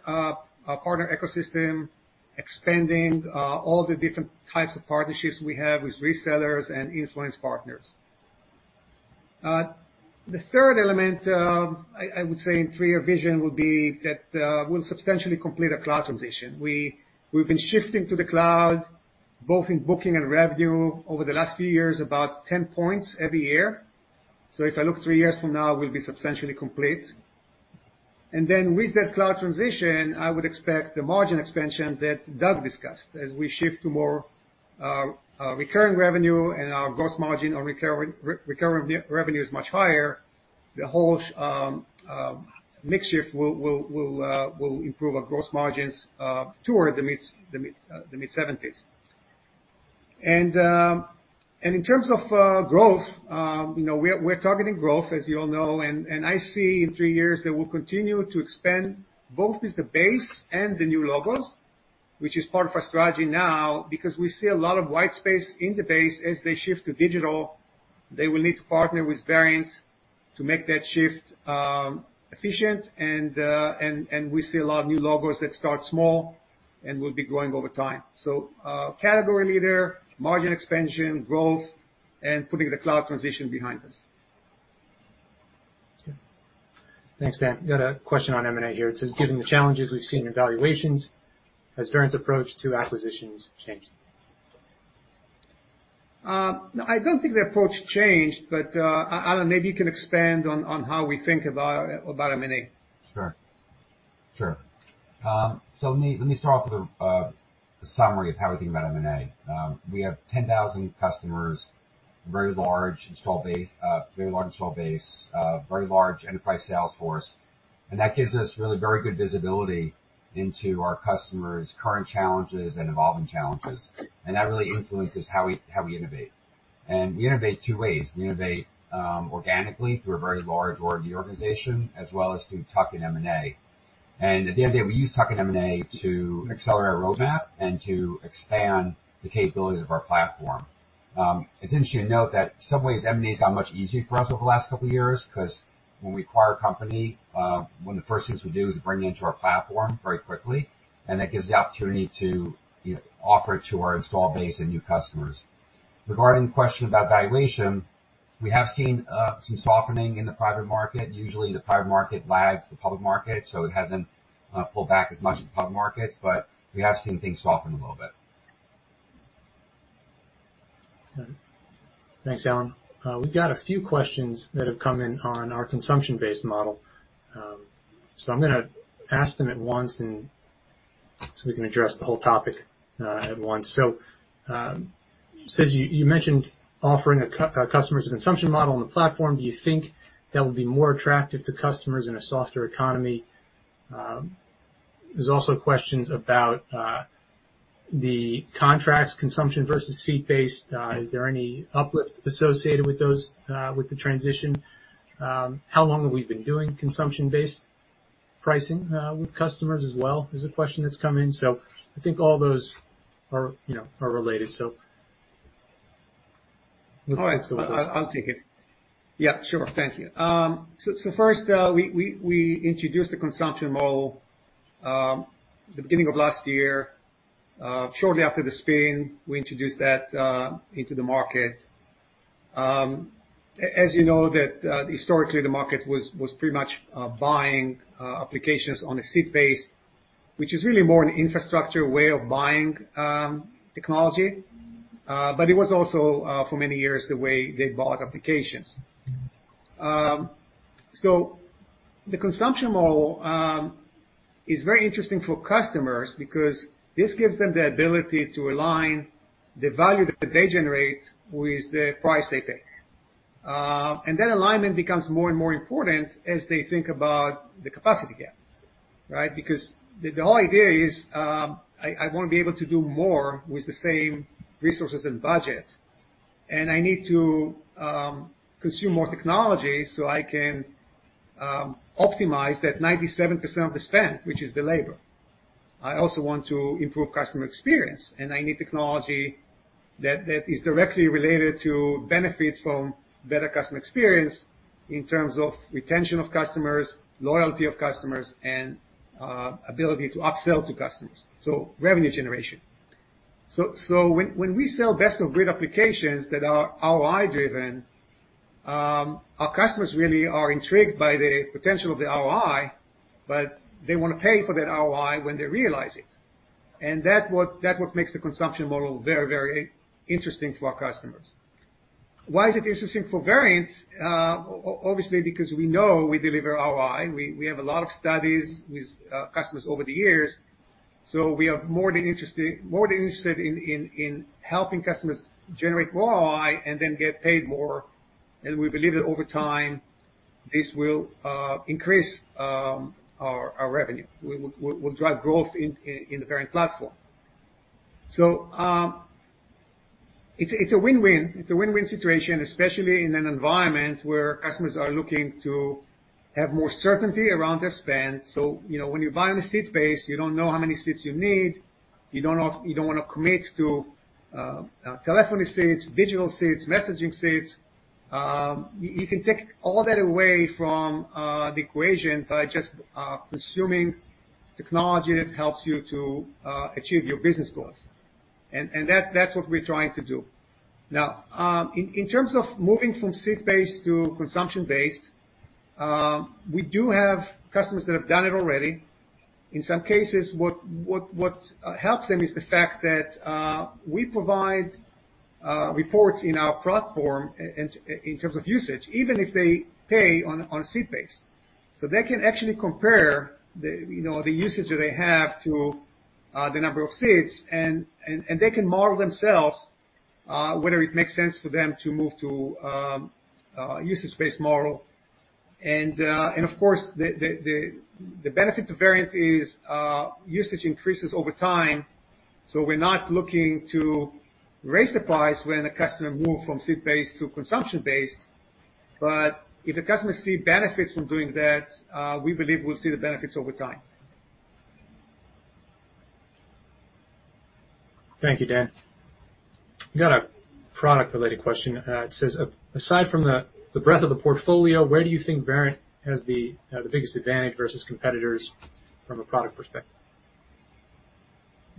partner ecosystem expanding all the different types of partnerships we have with resellers and influencer partners. The third element I would say in three-year vision would be that we'll substantially complete a cloud transition. We've been shifting to the cloud, both in booking and revenue over the last few years, about 10 points every year. If I look three years from now, we'll be substantially complete. With that cloud transition, I would expect the margin expansion that Doug discussed. As we shift to more recurring revenue and our gross margin on recurring revenue is much higher, the whole mix shift will improve our gross margins toward the mid-70s%. In terms of growth, you know, we're targeting growth, as you all know, and I see in three years that we'll continue to expand both with the base and the new logos, which is part of our strategy now because we see a lot of white space in the base. As they shift to digital, they will need to partner with Verint to make that shift efficient and we see a lot of new logos that start small and will be growing over time. Category leader, margin expansion, growth, and putting the cloud transition behind us. Okay. Thanks, Dan. Got a question on M&A here. It says, given the challenges we've seen in valuations, has Verint's approach to acquisitions changed? No, I don't think the approach changed, but Alan, maybe you can expand on how we think about M&A. Sure. So let me start off with a summary of how we think about M&A. We have 10,000 customers, very large install base, very large enterprise sales force, and that gives us really very good visibility into our customers' current challenges and evolving challenges. That really influences how we innovate. We innovate two ways. We innovate organically through a very large R&D organization as well as through tuck-in M&A. At the end of day, we use tuck-in M&A to accelerate our roadmap and to expand the capabilities of our platform. It's interesting to note that some ways M&A has gotten much easier for us over the last couple of years, 'cause when we acquire a company, one of the first things we do is bring it into our platform very quickly, and that gives the opportunity to offer it to our installed base and new customers. Regarding the question about valuation, we have seen some softening in the private market. Usually, the private market lags the public market, so it hasn't pulled back as much as public markets, but we have seen things soften a little bit. Okay. Thanks, Alan. We've got a few questions that have come in on our consumption-based model. I'm gonna ask them at once and so we can address the whole topic at once. It says you mentioned offering customers a consumption model on the platform. Do you think that will be more attractive to customers in a softer economy? There's also questions about the contracts consumption versus seat-based. Is there any uplift associated with those with the transition? How long have we been doing consumption-based pricing with customers as well, is a question that's come in. I think all those are, you know, related. I'll take it. Yeah, sure. Thank you. First, we introduced the consumption model the beginning of last year. Shortly after the spin, we introduced that into the market. As you know that historically the market was pretty much buying applications on a seat base, which is really more an infrastructure way of buying technology. It was also for many years the way they bought applications. The consumption model is very interesting for customers because this gives them the ability to align the value that they generate with the price they pay. That alignment becomes more and more important as they think about the capacity gap. Because the whole idea is, I wanna be able to do more with the same resources and budgets, and I need to consume more technology so I can optimize that 97% of the spend, which is the labor. I also want to improve customer experience, and I need technology that is directly related to benefits from better customer experience in terms of retention of customers, loyalty of customers, and ability to upsell to customers, so revenue generation. When we sell best-of-breed applications that are ROI-driven, our customers really are intrigued by the potential of the ROI, but they wanna pay for that ROI when they realize it. That's what makes the consumption model very, very interesting for our customers. Why is it interesting for Verint? Obviously, because we know we deliver ROI. We have a lot of studies with customers over the years, so we are more than interested in helping customers generate more ROI and then get paid more, and we believe that over time, this will increase our revenue. We'll drive growth in the Verint platform. It's a win-win situation, especially in an environment where customers are looking to have more certainty around their spend. You know, when you're buying a seat base, you don't know how many seats you need. You don't wanna commit to telephony seats, digital seats, messaging seats. You can take all that away from the equation by just consuming technology that helps you to achieve your business goals. That's what we're trying to do. Now, in terms of moving from seat-based to consumption-based, we do have customers that have done it already. In some cases, what helps them is the fact that we provide reports in our platform in terms of usage, even if they pay on a seat-based. They can actually compare, you know, the usage that they have to the number of seats, and they can model themselves whether it makes sense for them to move to a usage-based model. Of course, the benefit to Verint is usage increases over time, so we're not looking to raise the price when the customer move from seat-based to consumption-based. If the customer see benefits from doing that, we believe we'll see the benefits over time. Thank you, Dan. We got a product-related question. It says, aside from the breadth of the portfolio, where do you think Verint has the biggest advantage versus competitors from a product perspective?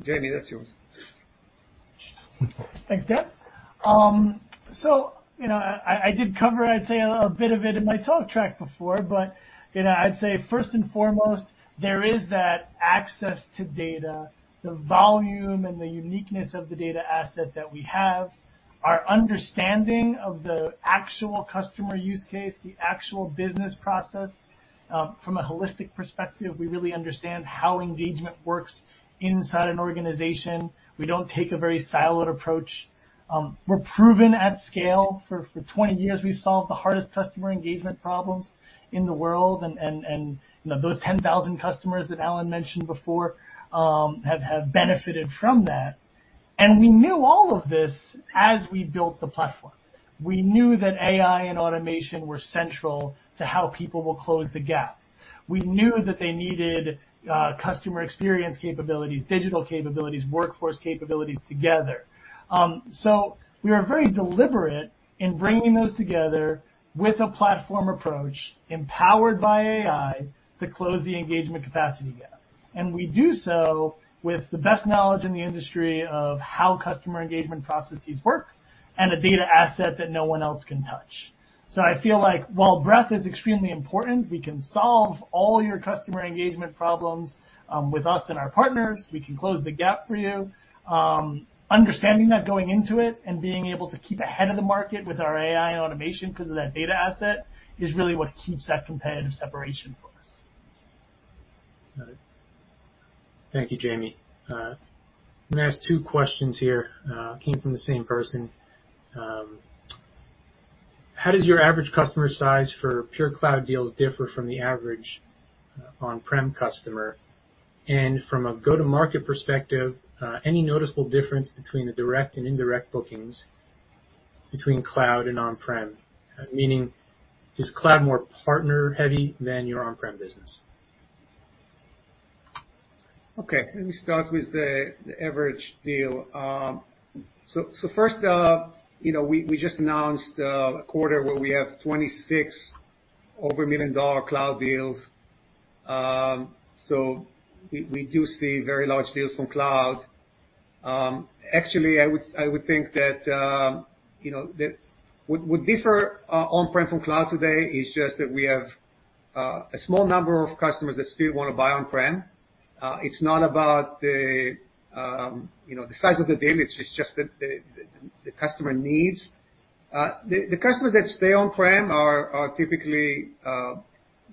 Jaime, that's yours. Thanks, Dan. So, you know, I did cover, I'd say a bit of it in my talk track before, but, you know, I'd say first and foremost, there is that access to data, the volume and the uniqueness of the data asset that we have. Our understanding of the actual customer use case, the actual business process, from a holistic perspective, we really understand how engagement works inside an organization. We don't take a very siloed approach. We're proven at scale. For 20 years, we've solved the hardest customer engagement problems in the world, and, you know, those 10,000 customers that Alan mentioned before, have benefited from that. We knew all of this as we built the platform. We knew that AI and automation were central to how people will close the gap. We knew that they needed customer experience capabilities, digital capabilities, workforce capabilities together. We are very deliberate in bringing those together with a platform approach empowered by AI to close the Engagement Capacity Gap. We do so with the best knowledge in the industry of how customer engagement processes work and a data asset that no one else can touch. I feel like while breadth is extremely important, we can solve all your customer engagement problems with us and our partners. We can close the gap for you. Understanding that going into it and being able to keep ahead of the market with our AI and automation because of that data asset is really what keeps that competitive separation for us. Got it. Thank you, Jaime. I'm gonna ask two questions here, came from the same person. How does your average customer size for pure cloud deals differ from the average, on-prem customer? And from a go-to-market perspective, any noticeable difference between the direct and indirect bookings between cloud and on-prem? Meaning, is cloud more partner-heavy than your on-prem business? Okay, let me start with the average deal. First, you know, we just announced a quarter where we have 26 cloud deals over $1 million. We do see very large deals from cloud. Actually, I would think that what differentiates on-prem from cloud today is just that we have a small number of customers that still wanna buy on-prem. It's not about the size of the deal, it's just that the customer needs. The customers that stay on-prem are typically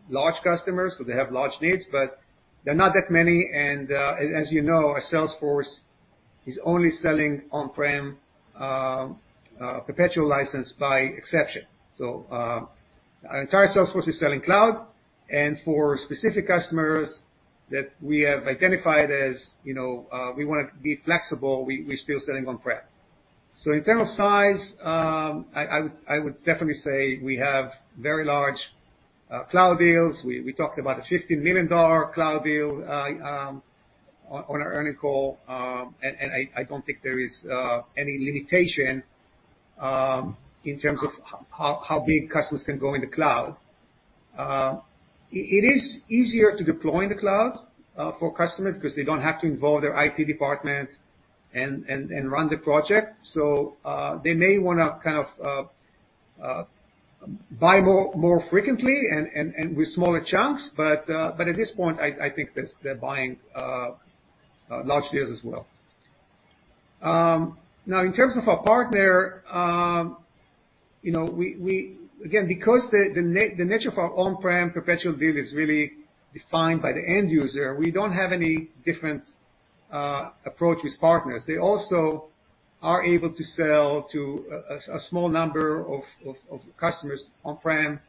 large customers, so they have large needs, but they're not that many. As you know, our sales force is only selling on-prem perpetual license by exception. Our entire sales force is selling cloud. For specific customers that we have identified as, you know, we wanna be flexible, we're still selling on-prem. In terms of size, I would definitely say we have very large cloud deals. We talked about a $50 million cloud deal on our earnings call, and I don't think there is any limitation in terms of how big customers can go in the cloud. It is easier to deploy in the cloud for customers because they don't have to involve their IT department and run the project. They may wanna kind of buy more frequently and with smaller chunks. But at this point, I think that they're buying large deals as well. Now in terms of our partner, you know, we again, because the nature of our on-prem perpetual deal is really defined by the end user, we don't have any different approach with partners. They also are able to sell to a small number of customers on-prem,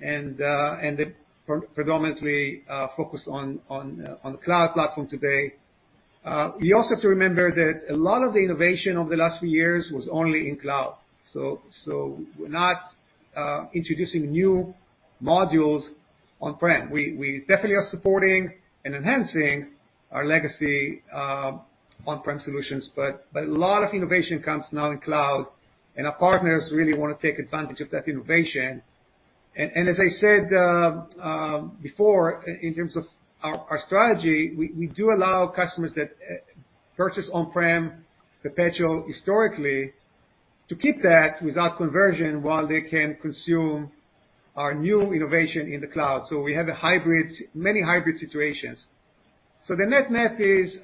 and they're predominantly focused on the cloud platform today. We also have to remember that a lot of the innovation over the last few years was only in cloud. We're not introducing new modules on-prem. We definitely are supporting and enhancing our legacy on-prem solutions, but a lot of innovation comes now in cloud, and our partners really wanna take advantage of that innovation. As I said before in terms of our strategy, we do allow customers that purchase on-prem perpetual historically to keep that without conversion while they can consume our new innovation in the cloud. We have a hybrid, many hybrid situations. The net-net is,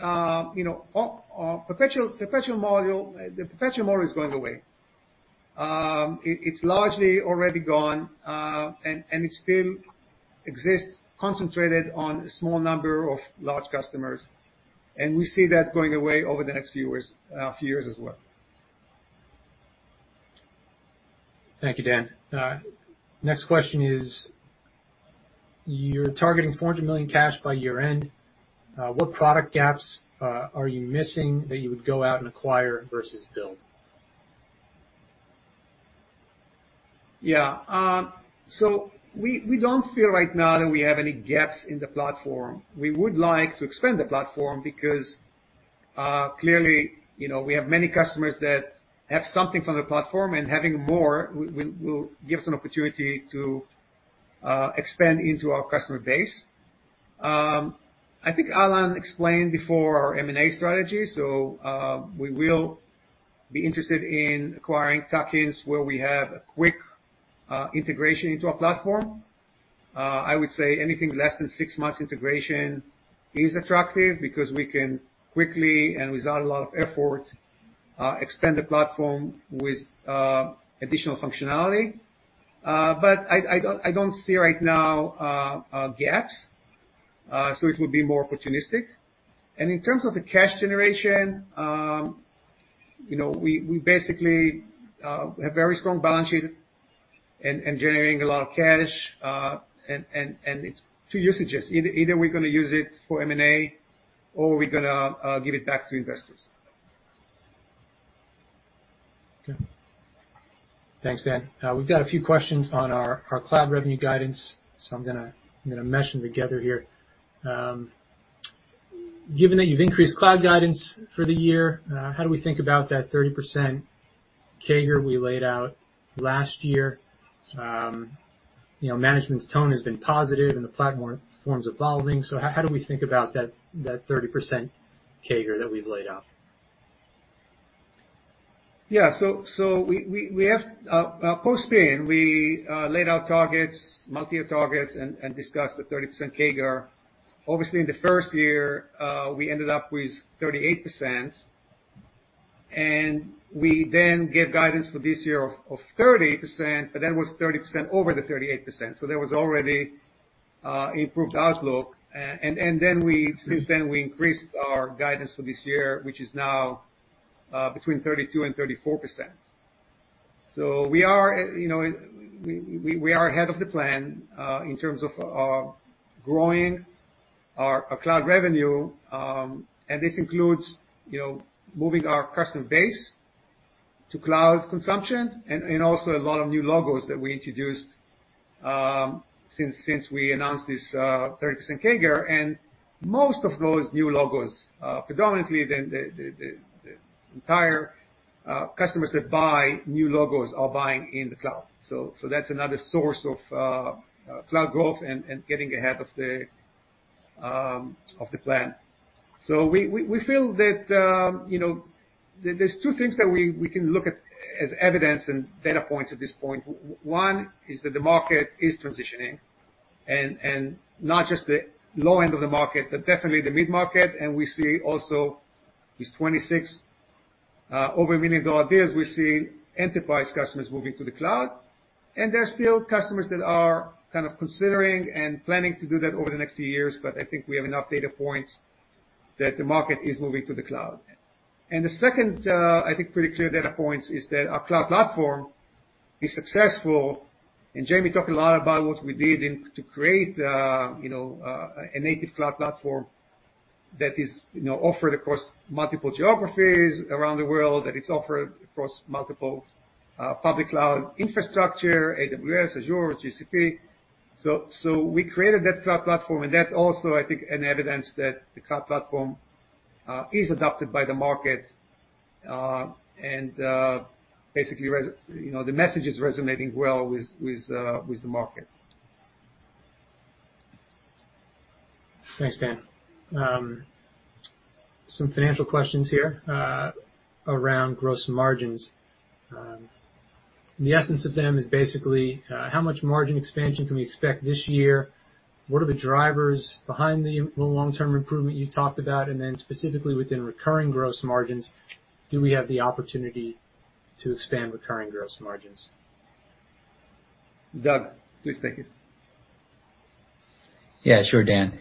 you know, perpetual model, the perpetual model is going away. It's largely already gone, and it still exists concentrated on a small number of large customers, and we see that going away over the next few years, few years as well. Thank you, Dan. Next question is, you're targeting $400 million cash by year-end. What product gaps are you missing that you would go out and acquire versus build? Yeah. We don't feel right now that we have any gaps in the platform. We would like to expand the platform because clearly, you know, we have many customers that have something from the platform, and having more will give us an opportunity to expand into our customer base. I think Alan explained before our M&A strategy. We will be interested in acquiring tuck-ins where we have a quick integration into our platform. I would say anything less than six months integration is attractive because we can quickly, and without a lot of effort, expand the platform with additional functionality. I don't see right now gaps. It would be more opportunistic. In terms of the cash generation, you know, we basically have very strong balance sheet and generating a lot of cash, and it's two usages. Either we're gonna use it for M&A or we're gonna give it back to investors. Okay. Thanks, Dan. We've got a few questions on our cloud revenue guidance, so I'm gonna mesh them together here. Given that you've increased cloud guidance for the year, how do we think about that 30% CAGR we laid out last year? You know, management's tone has been positive and the platform is evolving, so how do we think about that 30% CAGR that we've laid out? We have post-spin laid out targets, multi-year targets and discussed the 30% CAGR. Obviously, in the first year, we ended up with 38%, and we then gave guidance for this year of 30%, but that was 30% over the 38%. There was already improved outlook. Since then, we increased our guidance for this year, which is now between 32%-34%. We are, you know, ahead of the plan in terms of growing our cloud revenue, and this includes, you know, moving our customer base to cloud consumption and also a lot of new logos that we introduced since we announced this 30% CAGR. Most of those new logos, predominantly, the entire customers that buy new logos are buying in the cloud. That's another source of cloud growth and getting ahead of the plan. We feel that, you know, there's two things that we can look at as evidence and data points at this point. One is that the market is transitioning, and not just the low end of the market, but definitely the mid-market. We see also these 26 over million-dollar deals, we see enterprise customers moving to the cloud. There are still customers that are kind of considering and planning to do that over the next few years, but I think we have enough data points that the market is moving to the cloud. The second, I think pretty clear data points is that our cloud platform is successful, and Jaime talked a lot about what we did to create, you know, a native cloud platform that is, you know, offered across multiple geographies around the world, that it's offered across multiple, public cloud infrastructure, AWS, Azure, GCP. So we created that cloud platform, and that's also, I think, an evidence that the cloud platform is adopted by the market, and basically you know, the message is resonating well with the market. Thanks, Dan. Some financial questions here around gross margins. The essence of them is basically how much margin expansion can we expect this year? What are the drivers behind the long-term improvement you talked about? Specifically within recurring gross margins, do we have the opportunity to expand recurring gross margins? Doug, please take it. Yeah, sure, Dan.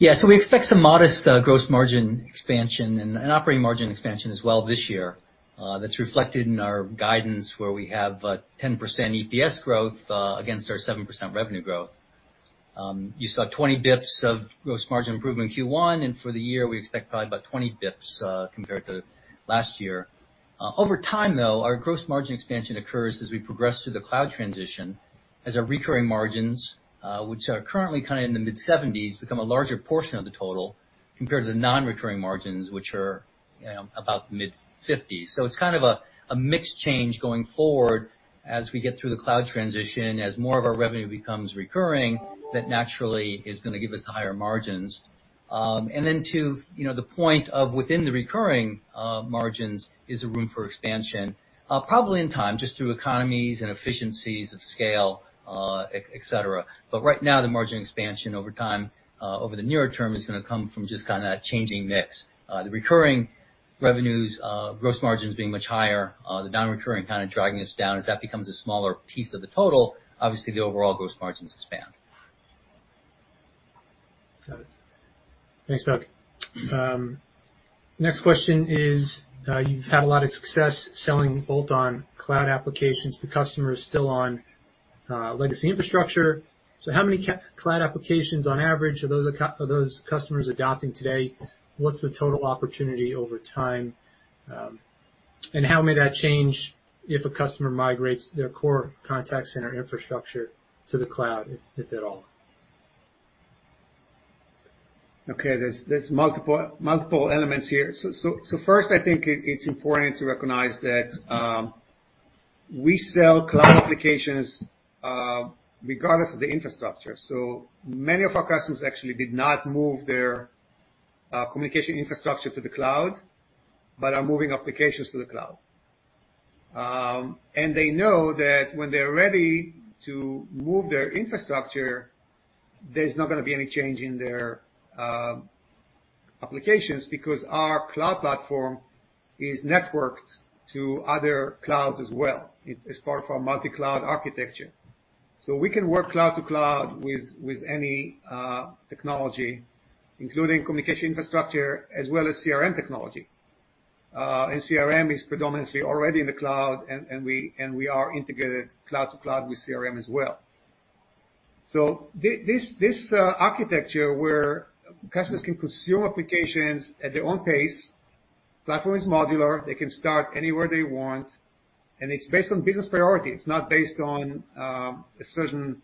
Yeah, so we expect some modest gross margin expansion and operating margin expansion as well this year. That's reflected in our guidance where we have 10% EPS growth against our 7% revenue growth. You saw 20 basis points of gross margin improvement in Q1, and for the year, we expect probably about 20 basis points compared to last year. Over time, though, our gross margin expansion occurs as we progress through the cloud transition as our recurring margins, which are currently kind of in the mid-seventies, become a larger portion of the total. Compared to the non-recurring margins, which are about mid-50s. It's kind of a mixed change going forward as we get through the cloud transition, as more of our revenue becomes recurring, that naturally is gonna give us higher margins. To the point of within the recurring margins is a room for expansion, probably in time, just through economies and efficiencies of scale, et cetera. Right now, the margin expansion over time, over the nearer term is gonna come from just changing mix. The recurring revenues, gross margins being much higher, the non-recurring dragging us down. As that becomes a smaller piece of the total, obviously the overall gross margins expand. Got it. Thanks, Doug. Next question is, you've had a lot of success selling bolt-on cloud applications to customers still on legacy infrastructure. How many cloud applications on average are those customers adopting today? What's the total opportunity over time? How may that change if a customer migrates their core contact center infrastructure to the cloud, if at all? Okay, there are multiple elements here. First, I think it's important to recognize that we sell cloud applications regardless of the infrastructure. Many of our customers actually did not move their communication infrastructure to the cloud, but are moving applications to the cloud. They know that when they're ready to move their infrastructure, there's not gonna be any change in their applications because our cloud platform is networked to other clouds as well. It's part of our multi-cloud architecture. We can work cloud to cloud with any technology, including communication, infrastructure as well as CRM technology. CRM is predominantly already in the cloud and we are integrated cloud to cloud with CRM as well. This architecture where customers can consume applications at their own pace, platform is modular, they can start anywhere they want, and it's based on business priority. It's not based on a certain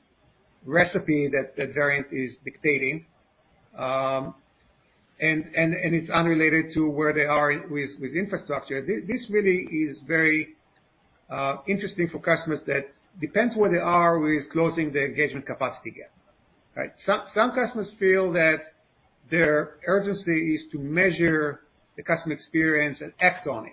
recipe that Verint is dictating. It's unrelated to where they are with infrastructure. This really is very interesting for customers that depends where they are with closing the Engagement Capacity Gap. Some customers feel that their urgency is to measure the customer experience and act on it.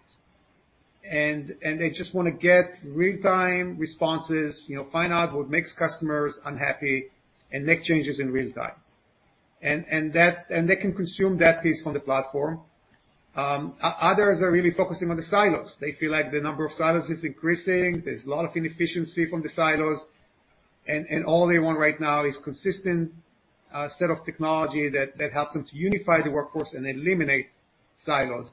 They just wanna get real-time responses, you know, find out what makes customers unhappy and make changes in real time. They can consume that piece from the platform. Others are really focusing on the silos. They feel like the number of silos is increasing, there's a lot of inefficiency from the silos, and all they want right now is consistent set of technology that helps them to unify the workforce and eliminate silos.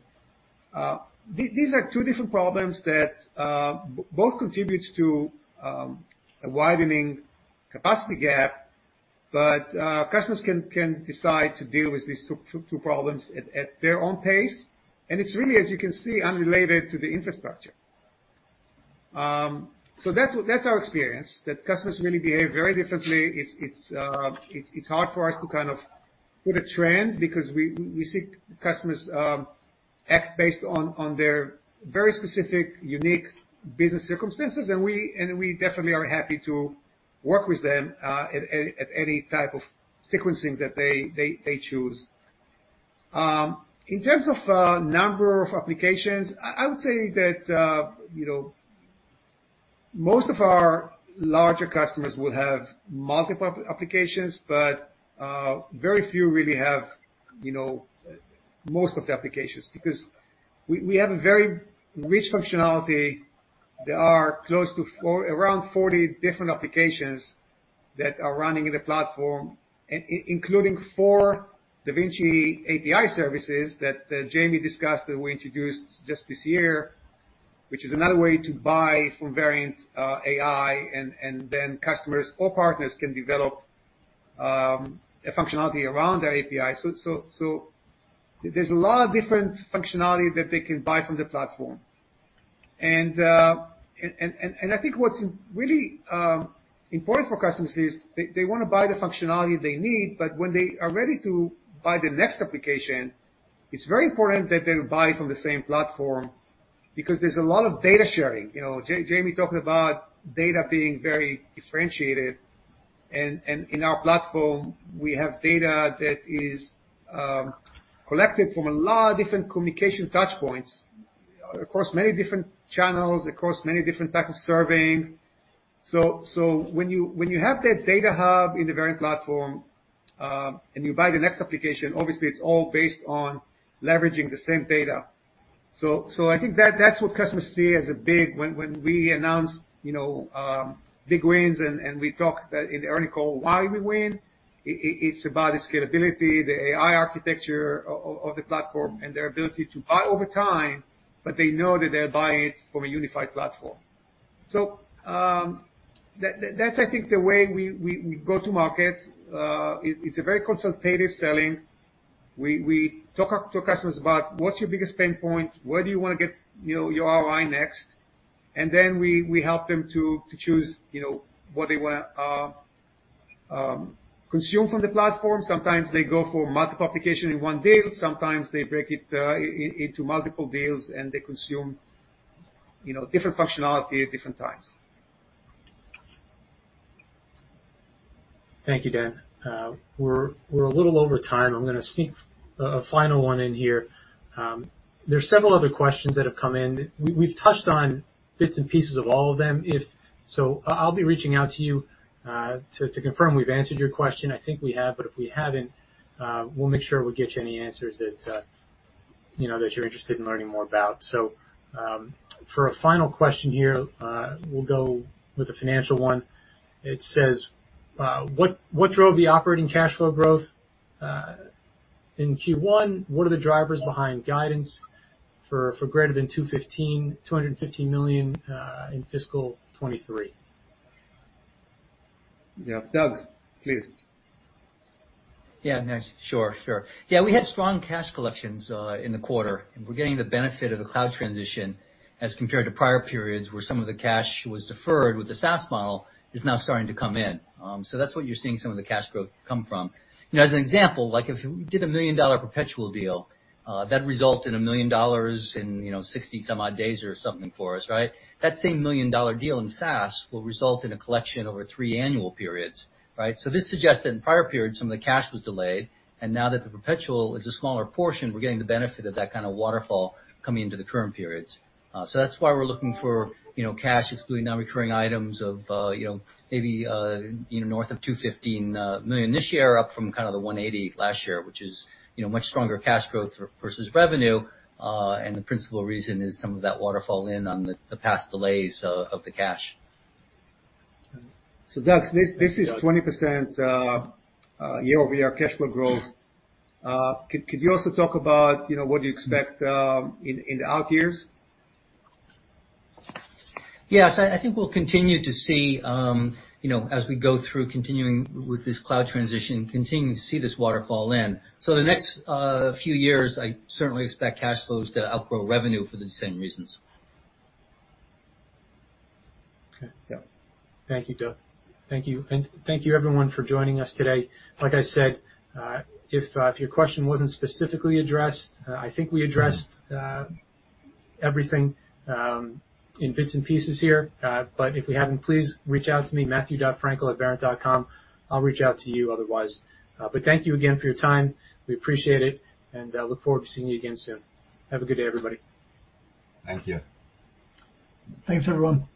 These are two different problems that both contributes to a widening capacity gap, but customers can decide to deal with these two problems at their own pace. It's really, as you can see, unrelated to the infrastructure. That's our experience, that customers really behave very differently. It's hard for us to put a trend because we see customers act based on their very specific, unique business circumstances, and we definitely are happy to work with them at any type of sequencing that they choose. In terms of number of applications, I would say that you know, most of our larger customers will have multiple applications, but very few really have you know, most of the applications. Because we have a very rich functionality. There are around 40 different applications that are running in the platform, including four Da Vinci AI services that Jaime discussed, that we introduced just this year, which is another way to buy from Verint AI and then customers or partners can develop a functionality around our AI. There's a lot of different functionality that they can buy from the platform. I think what's really important for customers is they wanna buy the functionality they need, but when they are ready to buy the next application, it's very important that they buy from the same platform because there's a lot of data sharing. You know, Jaime talked about data being very differentiated. In our platform, we have data that is collected from a lot of different communication touchpoints across many different channels, across many different type of surveying. When you have that data hub in the Verint platform, and you buy the next application, obviously it's all based on leveraging the same data. I think that's what customers see as a big win when we announced, you know, big wins and we talked in the earnings call, why we win. It's about the scalability, the AI architecture of the platform and their ability to buy over time, but they know that they're buying it from a unified platform. That's I think the way we go to market. It's a very consultative selling. We talk to customers about what's your biggest pain point? Where do you wanna get, you know, your ROI next? Then we help them to choose, you know, what they wanna consume from the platform. Sometimes they go for multiple application in one deal, sometimes they break it into multiple deals, and they consume, you know, different functionality at different times. Thank you, Dan. We're a little over time. I'm gonna sneak a final one in here. There's several other questions that have come in. We've touched on bits and pieces of all of them. I'll be reaching out to you to confirm we've answered your question. I think we have, but if we haven't, we'll make sure we get you any answers that you know that you're interested in learning more about. For a final question here, we'll go with a financial one. It says, "What drove the operating cash flow growth in Q1? What are the drivers behind guidance for greater than $215 million in fiscal 2023?" Yeah. Doug, please. Yeah. Thanks. Sure, sure. Yeah, we had strong cash collections in the quarter. We're getting the benefit of the cloud transition as compared to prior periods where some of the cash was deferred, with the SaaS model now starting to come in. That's what you're seeing some of the cash growth come from. You know, as an example, like if you did a million-dollar perpetual deal, that'd result in $1 million in 60-some-odd days or something for us, right? That same million-dollar deal in SaaS will result in a collection over three annual periods, right? This suggests that in prior periods, some of the cash was delayed, and now that the perpetual is a smaller portion, we're getting the benefit of that waterfall coming into the current periods. That's why we're looking for, you know, cash excluding non-recurring items of, you know, maybe, you know, north of $215 million this year, up from kinda the $180 million last year, which is, you know, much stronger cash growth versus revenue. The principal reason is some of that waterfall and on the past delays of the cash. Doug, this is 20% year-over-year cash flow growth. Could you also talk about, you know, what you expect in the out years? Yes. I think we'll continue to see, you know, as we go through continuing with this cloud transition, continue to see this waterfall in. The next few years, I certainly expect cash flows to outgrow revenue for the same reasons. Okay. Yeah. Thank you, Doug. Thank you. Thank you everyone for joining us today. Like I said, if your question wasn't specifically addressed, I think we addressed everything in bits and pieces here. If we haven't, please reach out to me, matthew.frankel@verint.com. I'll reach out to you otherwise. Thank you again for your time. We appreciate it, and look forward to seeing you again soon. Have a good day, everybody. Thank you. Thanks, everyone.